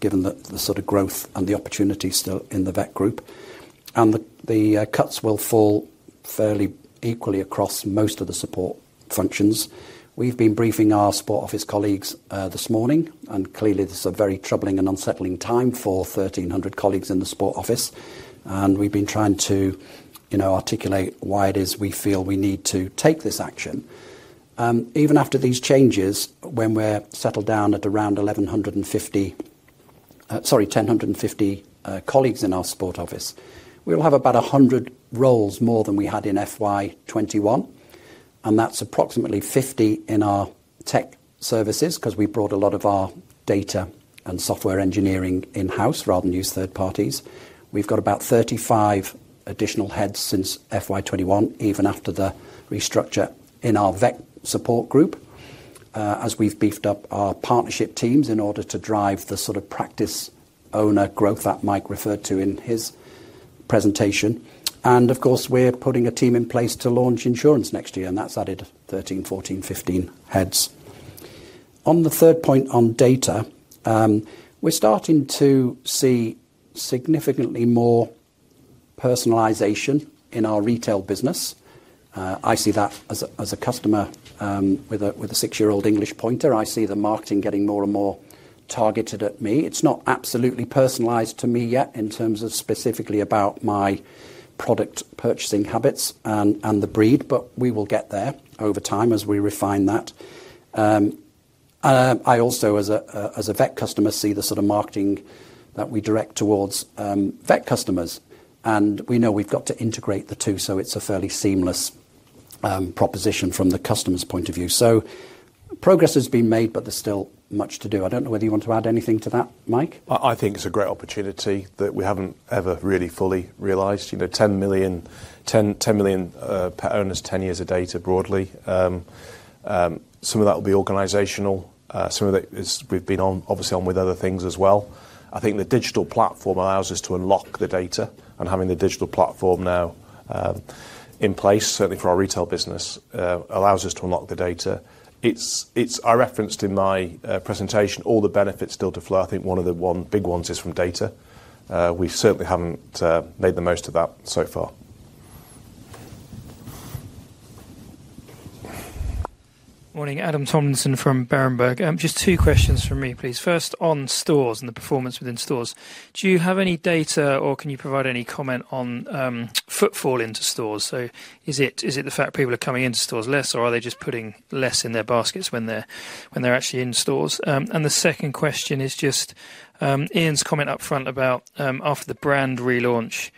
given the sort of growth and the opportunity still in the Vet Group. And the cuts will fall fairly equally across most of the support functions. We've been briefing our support office colleagues this morning, and clearly, this is a very troubling and unsettling time for 1,300 colleagues in the support office. And we've been trying to articulate why it is we feel we need to take this action. Even after these changes, when we're settled down at around 1,150, sorry, 1,050 colleagues in our support office, we will have about 100 roles more than we had in FY 2021. That's approximately 50 in our tech services because we brought a lot of our data and software engineering in-house rather than use third parties. We've got about 35 additional heads since FY 2021, even after the restructure in our vet support group, as we've beefed up our partnership teams in order to drive the sort of practice owner growth that Mike referred to in his presentation. Of course, we're putting a team in place to launch insurance next year, and that's added 13, 14, 15 heads. On the third point on data, we're starting to see significantly more personalization in our retail business. I see that as a customer with a six-year-old English pointer. I see the marketing getting more and more targeted at me. It's not absolutely personalized to me yet in terms of specifically about my product purchasing habits and the breed, but we will get there over time as we refine that. I also, as a vet customer, see the sort of marketing that we direct towards vet customers. And we know we've got to integrate the two, so it's a fairly seamless proposition from the customer's point of view. So progress has been made, but there's still much to do. I don't know whether you want to add anything to that, Mike? I think it's a great opportunity that we haven't ever really fully realized. 10 million pet owners, 10 years of data broadly. Some of that will be organizational. Some of it we've been obviously on with other things as well. I think the digital platform allows us to unlock the data, and having the digital platform now in place, certainly for our retail business, allows us to unlock the data. I referenced in my presentation all the benefits still to flow. I think one of the big ones is from data. We certainly haven't made the most of that so far. Morning, Adam Tomlinson from Berenberg. Just two questions from me, please. First, on stores and the performance within stores. Do you have any data or can you provide any comment on footfall into stores? Is it the fact people are coming into stores less, or are they just putting less in their baskets when they're actually in stores? The second question is just Ian's comment upfront about after the brand relaunch,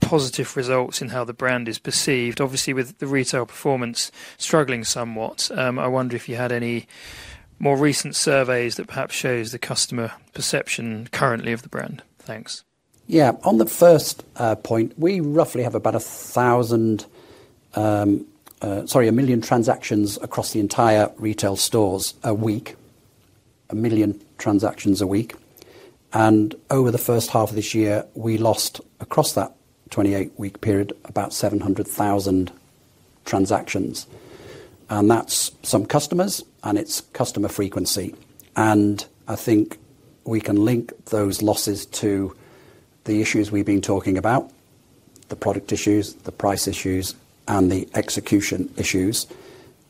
positive results in how the brand is perceived, obviously with the retail performance struggling somewhat. I wonder if you had any more recent surveys that perhaps show the customer perception currently of the brand. Thanks. Yeah, on the first point, we roughly have about a thousand, sorry, a million transactions across the entire retail stores a week, a million transactions a week. And over the first half of this year, we lost across that 28-week period about 700,000 transactions. And that's some customers, and it's customer frequency. And I think we can link those losses to the issues we've been talking about, the product issues, the price issues, and the execution issues.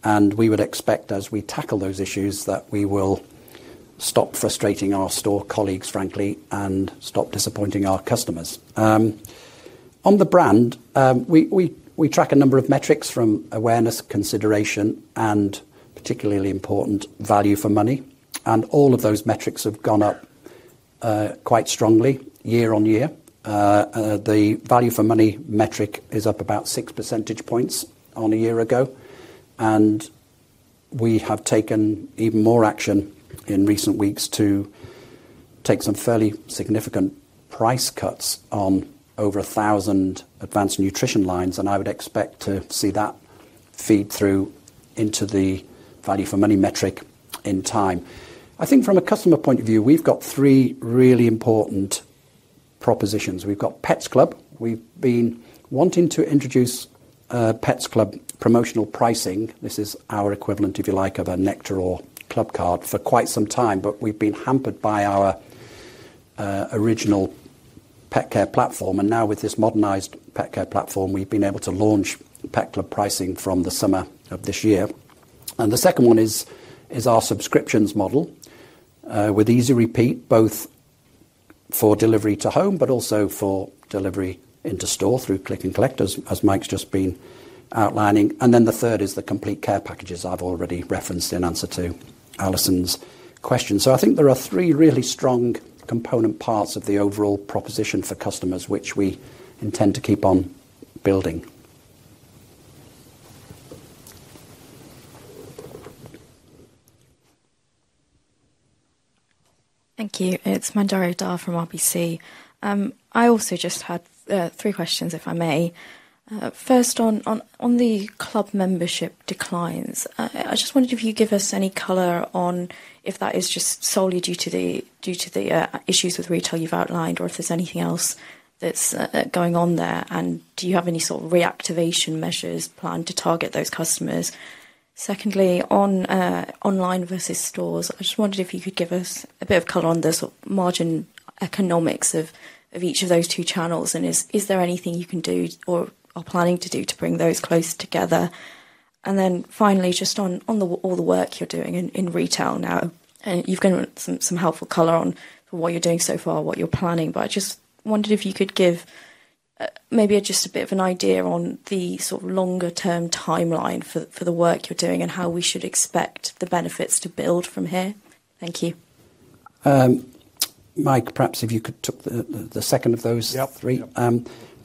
And we would expect, as we tackle those issues, that we will stop frustrating our store colleagues, frankly, and stop disappointing our customers. On the brand, we track a number of metrics from awareness, consideration, and particularly important value for money. And all of those metrics have gone up quite strongly year on year. The value for money metric is up about six percentage points on a year ago. And we have taken even more action in recent weeks to take some fairly significant price cuts on over 1,000 advanced nutrition lines. And I would expect to see that feed through into the value for money metric in time. I think from a customer point of view, we've got three really important propositions. We've got Pets Club. We've been wanting to introduce Pets Club promotional pricing. This is our equivalent, if you like, of a Nectar club card for quite some time, but we've been hampered by our original pet care platform. And now, with this modernised pet care platform, we've been able to launch Pets Club pricing from the summer of this year. And the second one is our subscriptions model with easy repeat, both for delivery to home, but also for delivery into store through click and collect, as Mike's just been outlining. And then the third is the complete care packages I've already referenced in answer to Alison's question. So I think there are three really strong component parts of the overall proposition for customers, which we intend to keep on building. Thank you. It's Manjari Dhar from RBC. I also just had three questions, if I may. First, on the club membership declines, I just wondered if you could give us any colour on if that is just solely due to the issues with retail you've outlined or if there's anything else that's going on there, and do you have any sort of reactivation measures planned to target those customers. Secondly, on online versus stores, I just wondered if you could give us a bit of colour on the sort of margin economics of each of those two channels, and is there anything you can do or are planning to do to bring those close together. And then finally, just on all the work you're doing in retail now, and you've given some helpful colour on what you're doing so far, what you're planning, but I just wondered if you could give maybe just a bit of an idea on the sort of longer-term timeline for the work you're doing and how we should expect the benefits to build from here. Thank you. Mike, perhaps if you could took the second of those three.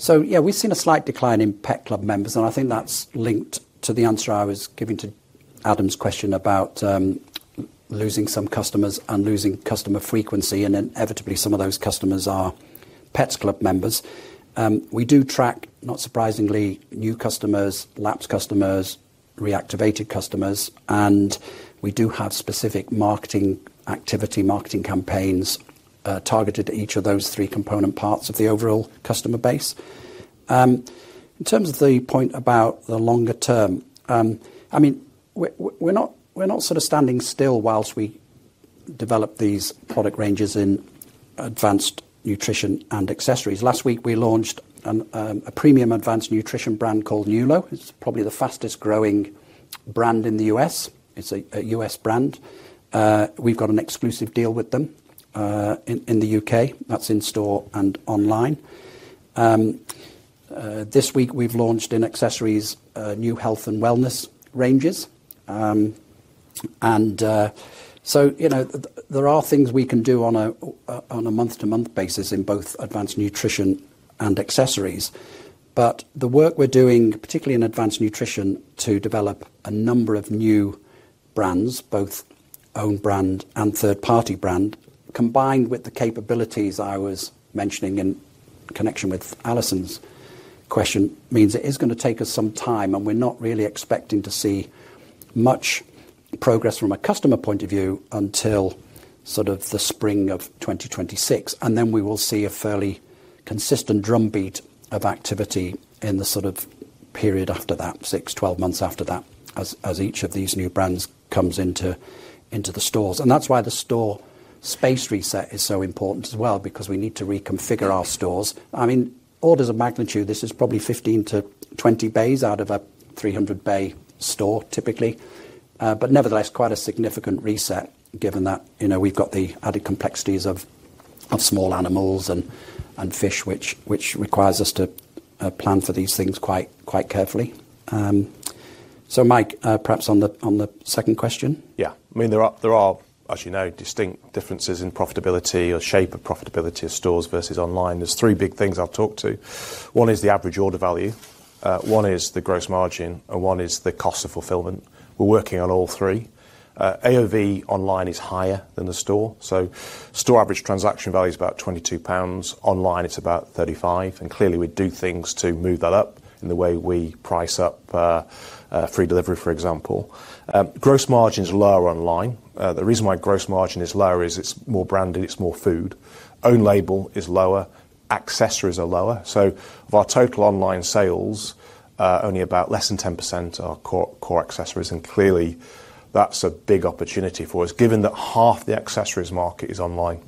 Yeah, we've seen a slight decline in Pets Club members, and I think that's linked to the answer I was giving to Adam's question about losing some customers and losing customer frequency, and inevitably, some of those customers are Pets Club members. We do track, not surprisingly, new customers, lapsed customers, reactivated customers, and we do have specific marketing activity, marketing campaigns targeted at each of those three component parts of the overall customer base. In terms of the point about the longer term, I mean, we're not sort of standing still whilst we develop these product ranges in advanced nutrition and accessories. Last week, we launched a premium advanced nutrition brand called Nulo. It's probably the fastest growing brand in the U.S. It's a U.S. brand. We've got an exclusive deal with them in the U.K. That's in store and online. This week, we've launched in accessories new health and wellness ranges. And so there are things we can do on a month-to-month basis in both advanced nutrition and accessories. But the work we're doing, particularly in advanced nutrition, to develop a number of new brands, both own brand and third-party brand, combined with the capabilities I was mentioning in connection with Alison's question, means it is going to take us some time, and we're not really expecting to see much progress from a customer point of view until sort of the spring of 2026. And then we will see a fairly consistent drumbeat of activity in the sort of period after that, six, 12 months after that, as each of these new brands comes into the stores. And that's why the store space reset is so important as well, because we need to reconfigure our stores. I mean, orders of magnitude, this is probably 15 to 20 bays out of a 300-bay store, typically. But nevertheless, quite a significant reset, given that we've got the added complexities of small animals and fish, which requires us to plan for these things quite carefully. So Mike, perhaps on the second question. Yeah. I mean, there are, as you know, distinct differences in profitability or shape of profitability of stores versus online. There's three big things I've talked to. One is the average order value. One is the gross margin, and one is the cost of fulfilment. We're working on all three. AOV online is higher than the store. So store average transaction value is about 22 pounds. Online is about 35. And clearly, we do things to move that up in the way we price up free delivery, for example. Gross margin is lower online. The reason why gross margin is lower is it's more branded, it's more food. Own label is lower. Accessories are lower. So of our total online sales, only about less than 10% are core accessories. And clearly, that's a big opportunity for us, given that half the accessories market is online.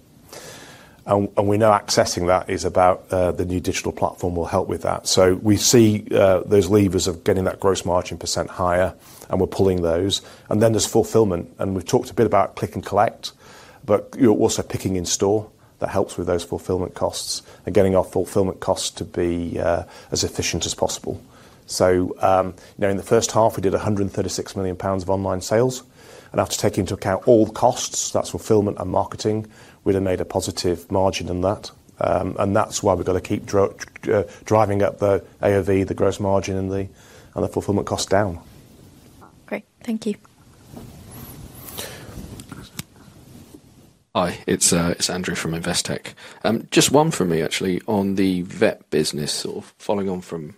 And we know accessing that is about the new digital platform will help with that. So we see those levers of getting that gross margin percent higher, and we're pulling those. And then there's fulfilment. And we've talked a bit about click and collect, but also picking in store that helps with those fulfilment costs and getting our fulfilment costs to be as efficient as possible. So in the first half, we did 136 million pounds of online sales. And after taking into account all the costs, that's fulfilment and marketing, we've made a positive margin in that. And that's why we've got to keep driving up the AOV, the gross margin, and the fulfilment costs down. Great. Thank you. Hi, it's Andrew from Investec. Just one from me, actually, on the vet business, sort of following on from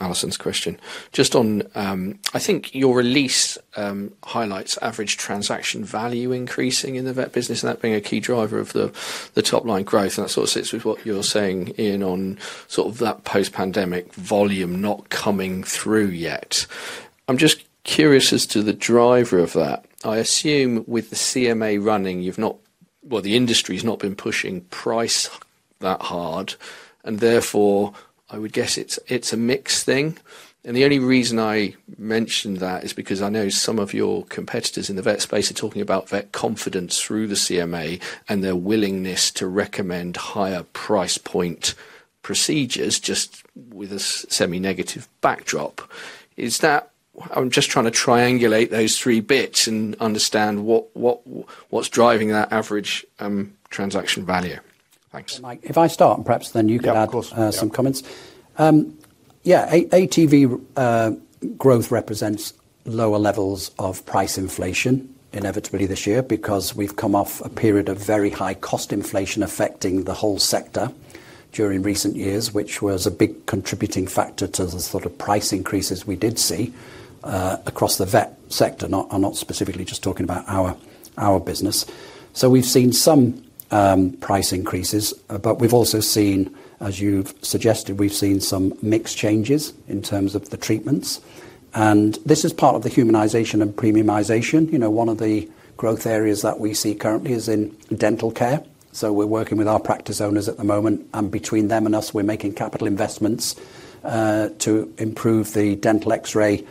Alison's question. Just on, I think your release highlights average transaction value increasing in the vet business, and that being a key driver of the top-line growth. And that sort of sits with what you're saying, Ian, on sort of that post-pandemic volume not coming through yet. I'm just curious as to the driver of that. I assume with the CMA running, you've not, well, the industry has not been pushing price that hard. And therefore, I would guess it's a mixed thing. And the only reason I mentioned that is because I know some of your competitors in the vet space are talking about vet confidence through the CMA and their willingness to recommend higher price point procedures just with a semi-negative backdrop. Is that I'm just trying to triangulate those three bits and understand what's driving that average transaction value. Thanks. Mike, if I start, and perhaps then you can add some comments. Yeah, ATV growth represents lower levels of price inflation inevitably this year because we've come off a period of very high cost inflation affecting the whole sector during recent years, which was a big contributing factor to the sort of price increases we did see across the vet sector. I'm not specifically just talking about our business. So we've seen some price increases, but we've also seen, as you've suggested, we've seen some mixed changes in terms of the treatments. And this is part of the humanisation and premiumisation. One of the growth areas that we see currently is in dental care. So we're working with our practice owners at the moment, and between them and us, we're making capital investments to improve the dental X-ray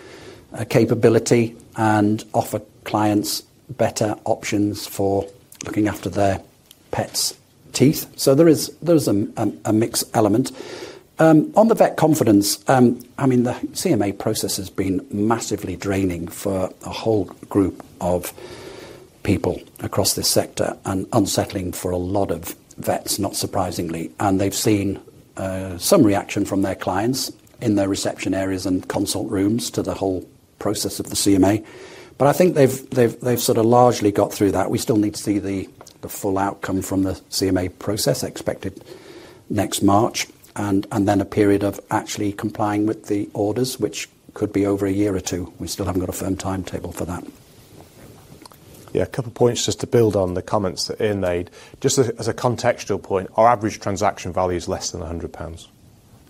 capability and offer clients better options for looking after their pets' teeth. So there is a mixed element. On the vet confidence, I mean, the CMA process has been massively draining for a whole group of people across this sector and unsettling for a lot of vets, not surprisingly. And they've seen some reaction from their clients in their reception areas and consult rooms to the whole process of the CMA. But I think they've sort of largely got through that. We still need to see the full outcome from the CMA process expected next March and then a period of actually complying with the orders, which could be over a year or two. We still haven't got a firm timetable for that. Yeah, a couple of points just to build on the comments that Ian made. Just as a contextual point, our average transaction value is less than 100 pounds.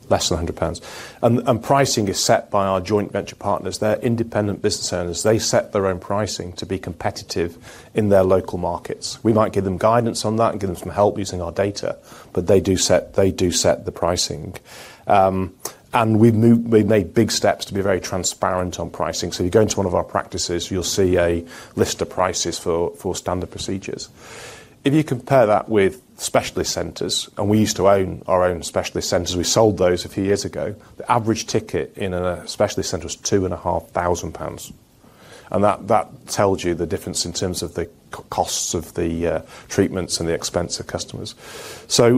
Less than 100 pounds. And pricing is set by our joint venture partners. They're independent business owners. They set their own pricing to be competitive in their local markets. We might give them guidance on that and give them some help using our data, but they do set the pricing. And we've made big steps to be very transparent on pricing. So if you go into one of our practices, you'll see a list of prices for standard procedures. If you compare that with specialist centres, and we used to own our own specialist centres. We sold those a few years ago. The average ticket in a specialist centre was 2,500 pounds. And that tells you the difference in terms of the costs of the treatments and the expense of customers. So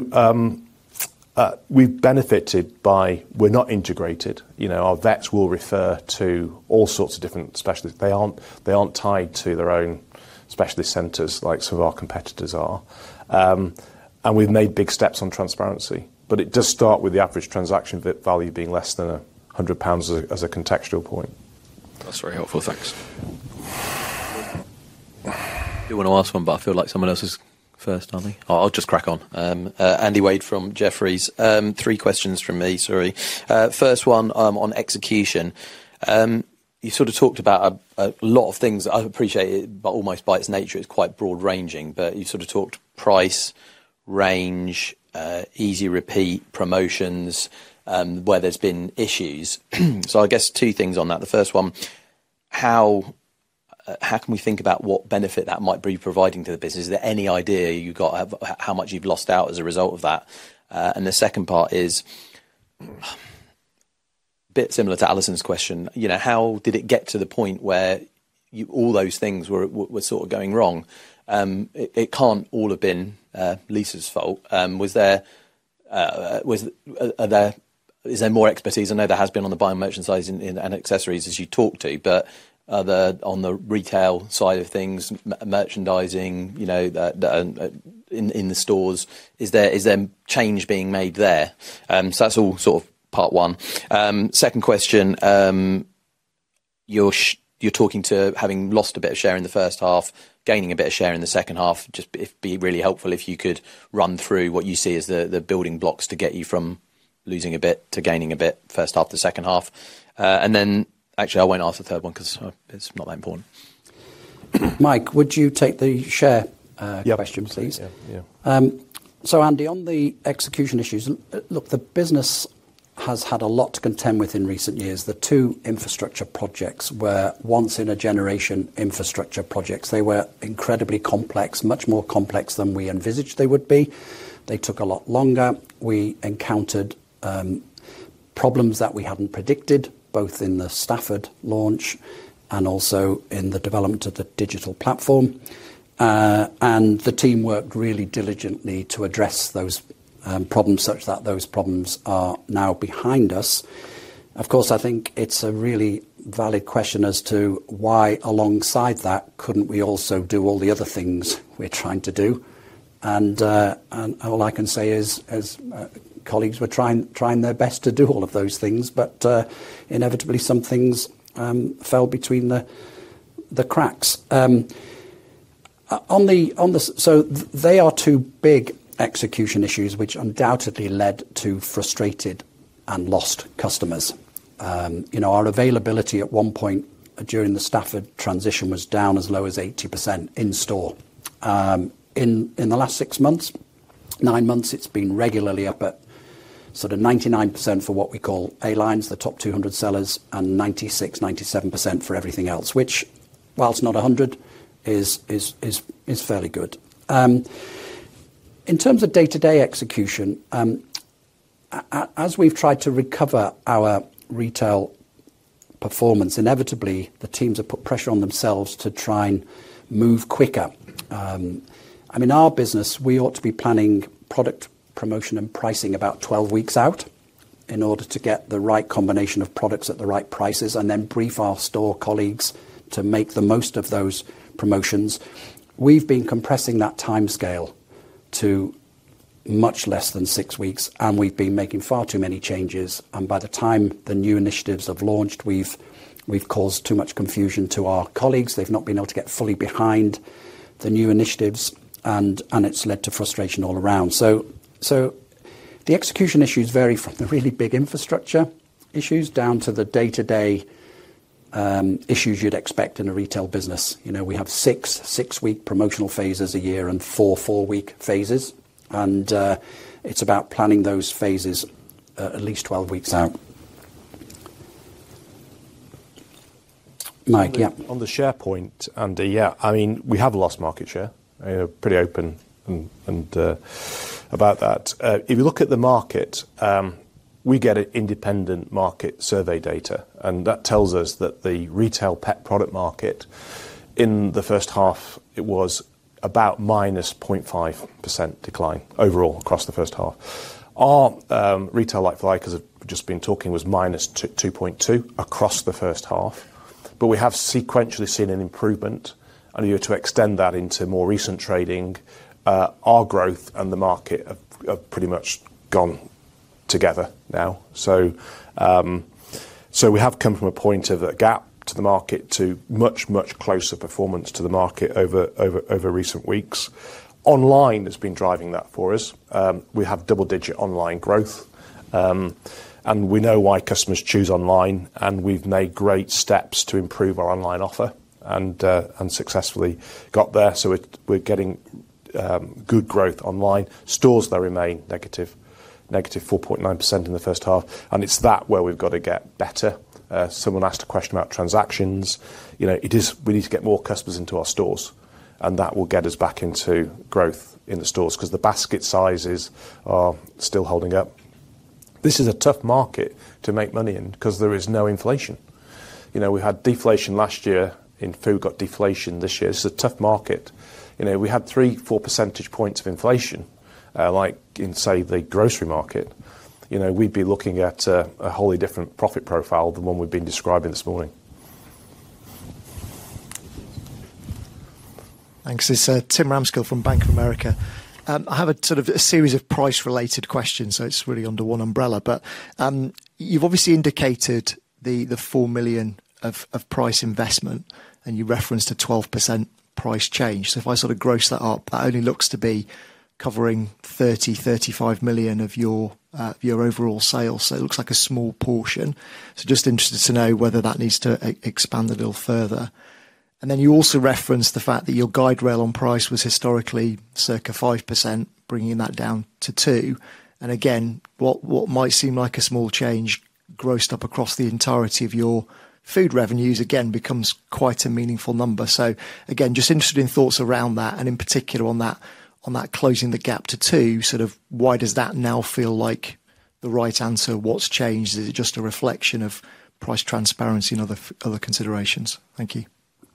we've benefited by we're not integrated. Our vets will refer to all sorts of different specialists. They aren't tied to their own specialist centres like some of our competitors are. And we've made big steps on transparency. But it does start with the average transaction value being less than 100 pounds as a contextual point. That's very helpful. Thanks. I do want to ask one, but I feel like someone else's first, darling. I'll just crack on. Andy Wade from Jefferies. Three questions from me, sorry. First one on execution. You sort of talked about a lot of things. I appreciate it, but almost by its nature, it's quite broad-ranging. But you sort of talked price, range, easy repeat, promotions, where there's been issues. So I guess two things on that. The first one, how can we think about what benefit that might be providing to the business? Is there any idea you've got how much you've lost out as a result of that? And the second part is, a bit similar to Alison's question, how did it get to the point where all those things were sort of going wrong? It can't all have been Lisa's fault. Is there more expertise? I know there has been on the buying merchandise and accessories as you talk to, but on the retail side of things, merchandising in the stores, is there change being made there? So that's all sort of part one. Second question, you're talking to having lost a bit of share in the first half, gaining a bit of share in the second half. Just be really helpful if you could run through what you see as the building blocks to get you from losing a bit to gaining a bit first half to second half. And then actually, I won't ask the third one because it's not that important. Mike, would you take the share question, please? Yeah. So Andy, on the execution issues, look, the business has had a lot to contend with in recent years. The two infrastructure projects were once-in-a-generation infrastructure projects. They were incredibly complex, much more complex than we envisaged they would be. They took a lot longer. We encountered problems that we hadn't predicted, both in the Stafford launch and also in the development of the digital platform. And the team worked really diligently to address those problems such that those problems are now behind us. Of course, I think it's a really valid question as to why alongside that, couldn't we also do all the other things we're trying to do? And all I can say is colleagues were trying their best to do all of those things, but inevitably, some things fell between the cracks. So they are two big execution issues, which undoubtedly led to frustrated and lost customers. Our availability at one point during the Stafford transition was down as low as 80% in store. In the last six months, nine months, it's been regularly up at sort of 99% for what we call A-lines, the top 200 sellers, and 96%, 97% for everything else, which, whilst not 100, is fairly good. In terms of day-to-day execution, as we've tried to recover our retail performance, inevitably, the teams have put pressure on themselves to try and move quicker. I mean, our business, we ought to be planning product promotion and pricing about 12 weeks out in order to get the right combination of products at the right prices and then brief our store colleagues to make the most of those promotions. We've been compressing that timescale to much less than six weeks, and we've been making far too many changes. And by the time the new initiatives have launched, we've caused too much confusion to our colleagues. They've not been able to get fully behind the new initiatives, and it's led to frustration all around. So the execution issues vary from the really big infrastructure issues down to the day-to-day issues you'd expect in a retail business. We have six-week promotional phases a year and four-four-week phases. And it's about planning those phases at least 12 weeks out. Mike, yeah. On the share point, Andy, yeah. I mean, we have lost market share. I mean, we're pretty open about that. If you look at the market, we get an independent market survey data. And that tells us that the retail pet product market in the first half, it was about -0.5% decline overall across the first half. Our retail like Lypex have just been talking was -2.2 across the first half. But we have sequentially seen an improvement. And if you were to extend that into more recent trading, our growth and the market have pretty much gone together now. So we have come from a point of a gap to the market to much, much closer performance to the market over recent weeks. Online has been driving that for us. We have double-digit online growth. And we know why customers choose online. And we've made great steps to improve our online offer and successfully got there. So we're getting good growth online. Stores, they remain negative, -4.9% in the first half. And it's that where we've got to get better. Someone asked a question about transactions. It is we need to get more customers into our stores. And that will get us back into growth in the stores because the basket sizes are still holding up. This is a tough market to make money in because there is no inflation. We had deflation last year. In food, we got deflation this year. This is a tough market. We had three, four percentage points of inflation, like in, say, the grocery market. We'd be looking at a wholly different profit profile than one we've been describing this morning. Thanks. This is Tim Ramskill from Bank of America. I have a sort of a series of price-related questions, so it's really under one umbrella. But you've obviously indicated the 4 million of price investment, and you referenced a 12% price change. So if I sort of gross that up, that only looks to be covering 30, 35 million of your overall sales. So it looks like a small portion. So just interested to know whether that needs to expand a little further. And then you also referenced the fact that your guide rail on price was historically circa 5%, bringing that down to 2. And again, what might seem like a small change grossed up across the entirety of your food revenues, again, becomes quite a meaningful number. So again, just interested in thoughts around that, and in particular on that closing the gap to 2, sort of why does that now feel like the right answer? What's changed? Is it just a reflection of price transparency and other considerations? Thank you.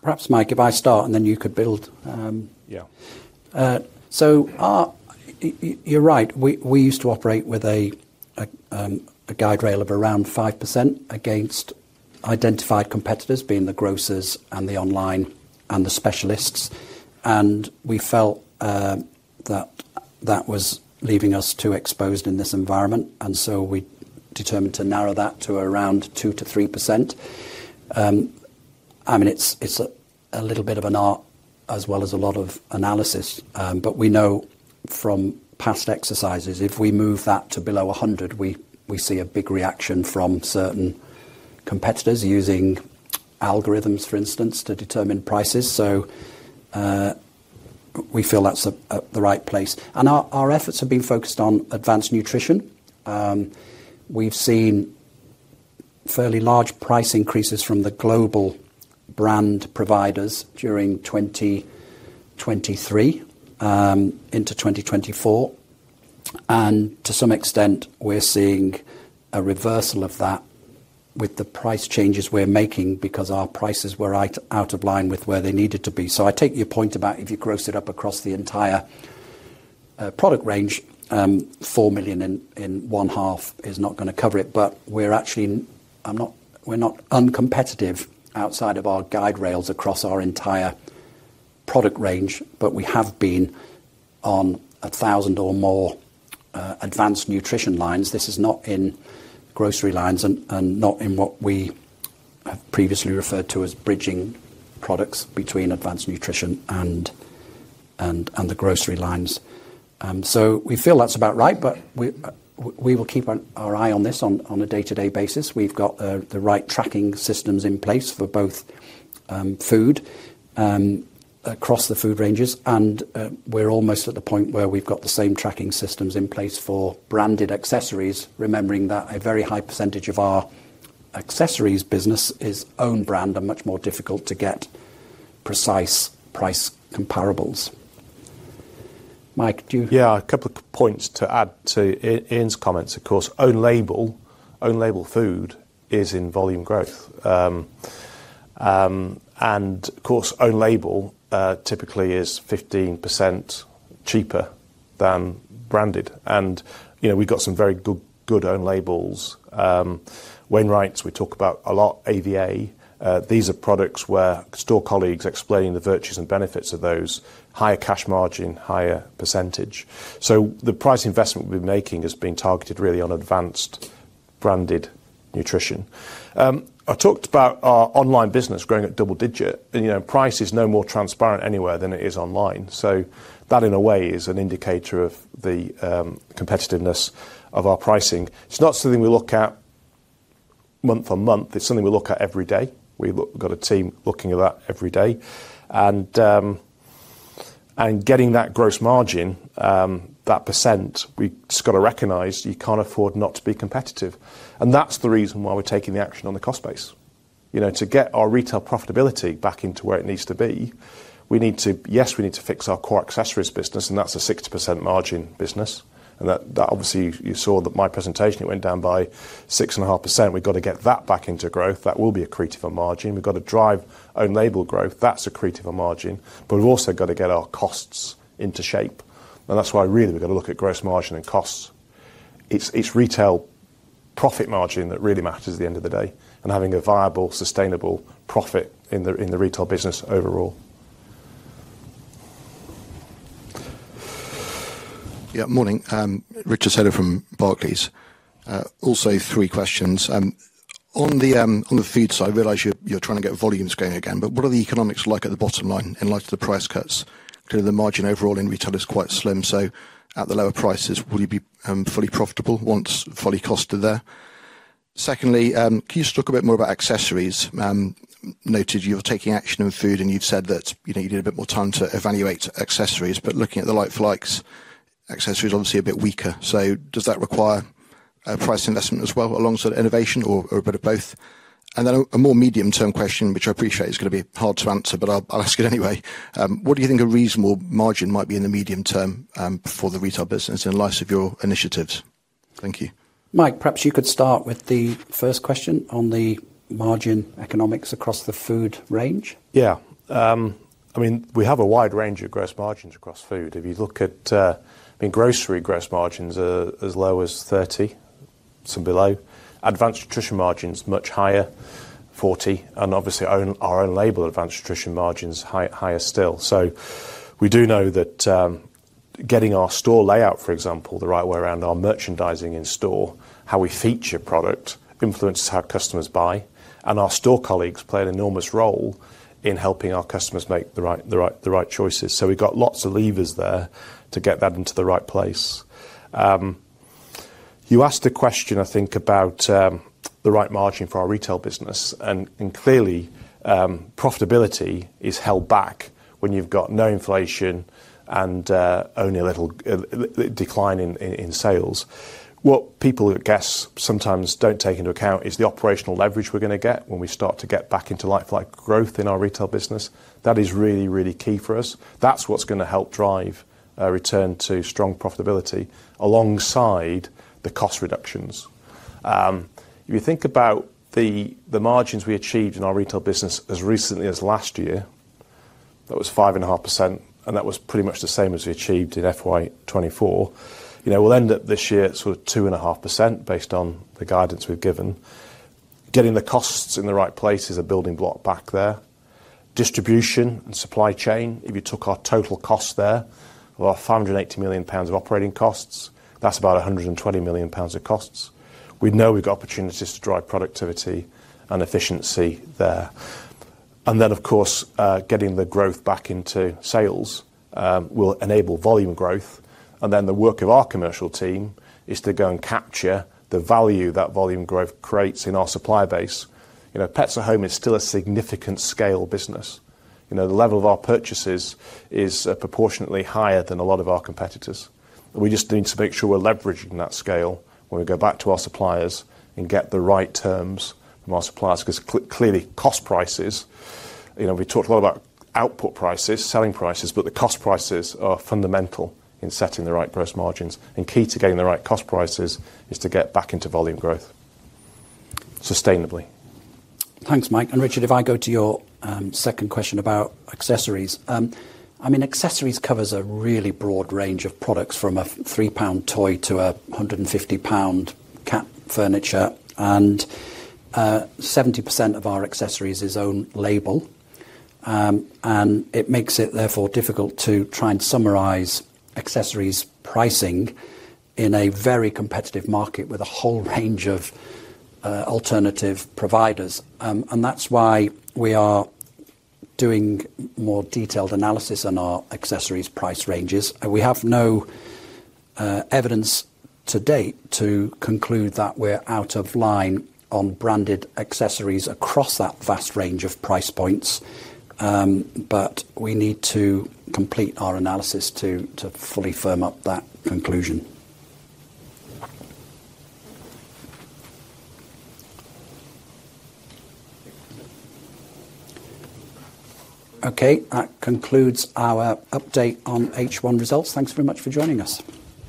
Perhaps, Mike, if I start, and then you could build. Yeah. So you're right. We used to operate with a guide rail of around 5% against identified competitors, being the grocers and the online and the specialists. And we felt that that was leaving us too exposed in this environment. And so we determined to narrow that to around 2% to 3%. I mean, it's a little bit of an art as well as a lot of analysis. But we know from past exercises, if we move that to below 100, we see a big reaction from certain competitors using algorithms, for instance, to determine prices. So we feel that's the right place. And our efforts have been focused on advanced nutrition. We've seen fairly large price increases from the global brand providers during 2023 into 2024. And to some extent, we're seeing a reversal of that with the price changes we're making because our prices were out of line with where they needed to be. So I take your point about if you gross it up across the entire product range, 4 million in 1/2 is not going to cover it. But we're actually not uncompetitive outside of our guide rails across our entire product range, but we have been on 1,000 or more advanced nutrition lines. This is not in grocery lines and not in what we have previously referred to as bridging products between advanced nutrition and the grocery lines. So we feel that's about right, but we will keep our eye on this on a day-to-day basis. We've got the right tracking systems in place for both food across the food ranges. And we're almost at the point where we've got the same tracking systems in place for branded accessories, remembering that a very high percentage of our accessories business is own brand and much more difficult to get precise price comparables. Mike, do you? Yeah, a couple of points to add to Ian's comments, of course. Own label food is in volume growth. And of course, own label typically is 15% cheaper than branded. And we've got some very good own labels. Wainwright's, we talk about a lot, AVA. These are products where store colleagues explain the virtues and benefits of those, higher cash margin, higher percentage. The price investment we've been making has been targeted really on advanced branded nutrition. I talked about our online business growing at double digit. Price is no more transparent anywhere than it is online. That, in a way, is an indicator of the competitiveness of our pricing. It's not something we look at month on month. It's something we look at every day. We've got a team looking at that every day. Getting that gross margin, that percent, we've just got to recognize you can't afford not to be competitive. That's the reason why we're taking the action on the cost base. To get our retail profitability back into where it needs to be, yes, we need to fix our core accessories business, and that's a 6% margin business. Obviously, you saw that in my presentation, it went down by 6.5%. We've got to get that back into growth. That will be a creative margin. We've got to drive own label growth. That's a creative margin. But we've also got to get our costs into shape. And that's why really we've got to look at gross margin and costs. It's retail profit margin that really matters at the end of the day and having a viable, sustainable profit in the retail business overall. Yeah, morning. Richard Seder from Barclays. Also, three questions. On the food side, I realize you're trying to get volumes going again, but what are the economics like at the bottom line in light of the price cuts? Clearly, the margin overall in retail is quite slim. So at the lower prices, will you be fully profitable once fully costed there? Secondly, can you just talk a bit more about accessories? Noted you're taking action in food, and you've said that you need a bit more time to evaluate accessories. Looking at the like-for-likes, accessories are obviously a bit weaker. Does that require price investment as well alongside innovation or a bit of both? A more medium-term question, which I appreciate is going to be hard to answer, but I'll ask it anyway. What do you think a reasonable margin might be in the medium term for the retail business in light of your initiatives? Thank you. Mike, perhaps you could start with the first question on the margin economics across the food range. Yeah. I mean, we have a wide range of gross margins across food. If you look at, I mean, grocery gross margins are as low as 30%, some below. Advanced nutrition margins, much higher, 40%. Obviously, our own label advanced nutrition margins, higher still. We do know that getting our store layout, for example, the right way around our merchandising in store, how we feature product influences how customers buy. Our store colleagues play an enormous role in helping our customers make the right choices. We have lots of levers there to get that into the right place. You asked a question, I think, about the right margin for our retail business. Clearly, profitability is held back when you have no inflation and only a little decline in sales. What people, I guess, sometimes do not take into account is the operational leverage we are going to get when we start to get back into like-for-like growth in our retail business. That is really, really key for us. That's what's going to help drive a return to strong profitability alongside the cost reductions. If you think about the margins we achieved in our retail business as recently as last year, that was 5.5%, and that was pretty much the same as we achieved in FY 2024. We'll end up this year at sort of 2.5% based on the guidance we've given. Getting the costs in the right place is a building block back there. Distribution and supply chain, if you took our total cost there, about 580 million pounds of operating costs, that's about 120 million pounds of costs. We know we've got opportunities to drive productivity and efficiency there. Of course, getting the growth back into sales will enable volume growth. The work of our commercial team is to go and capture the value that volume growth creates in our supply base. Pets at home is still a significant scale business. The level of our purchases is proportionately higher than a lot of our competitors. We just need to make sure we're leveraging that scale when we go back to our suppliers and get the right terms from our suppliers because clearly, cost prices, we talked a lot about output prices, selling prices, but the cost prices are fundamental in setting the right gross margins. Key to getting the right cost prices is to get back into volume growth sustainably. Thanks, Mike. Richard, if I go to your second question about accessories, I mean, accessories covers a really broad range of products from a 3 pound toy to a 150 pound cat furniture. 70% of our accessories is own label. It makes it, therefore, difficult to try and summarize accessories pricing in a very competitive market with a whole range of alternative providers. That is why we are doing more detailed analysis on our accessories price ranges. We have no evidence to date to conclude that we are out of line on branded accessories across that vast range of price points. We need to complete our analysis to fully firm up that conclusion. Okay. That concludes our update on H1 results. Thanks very much for joining us.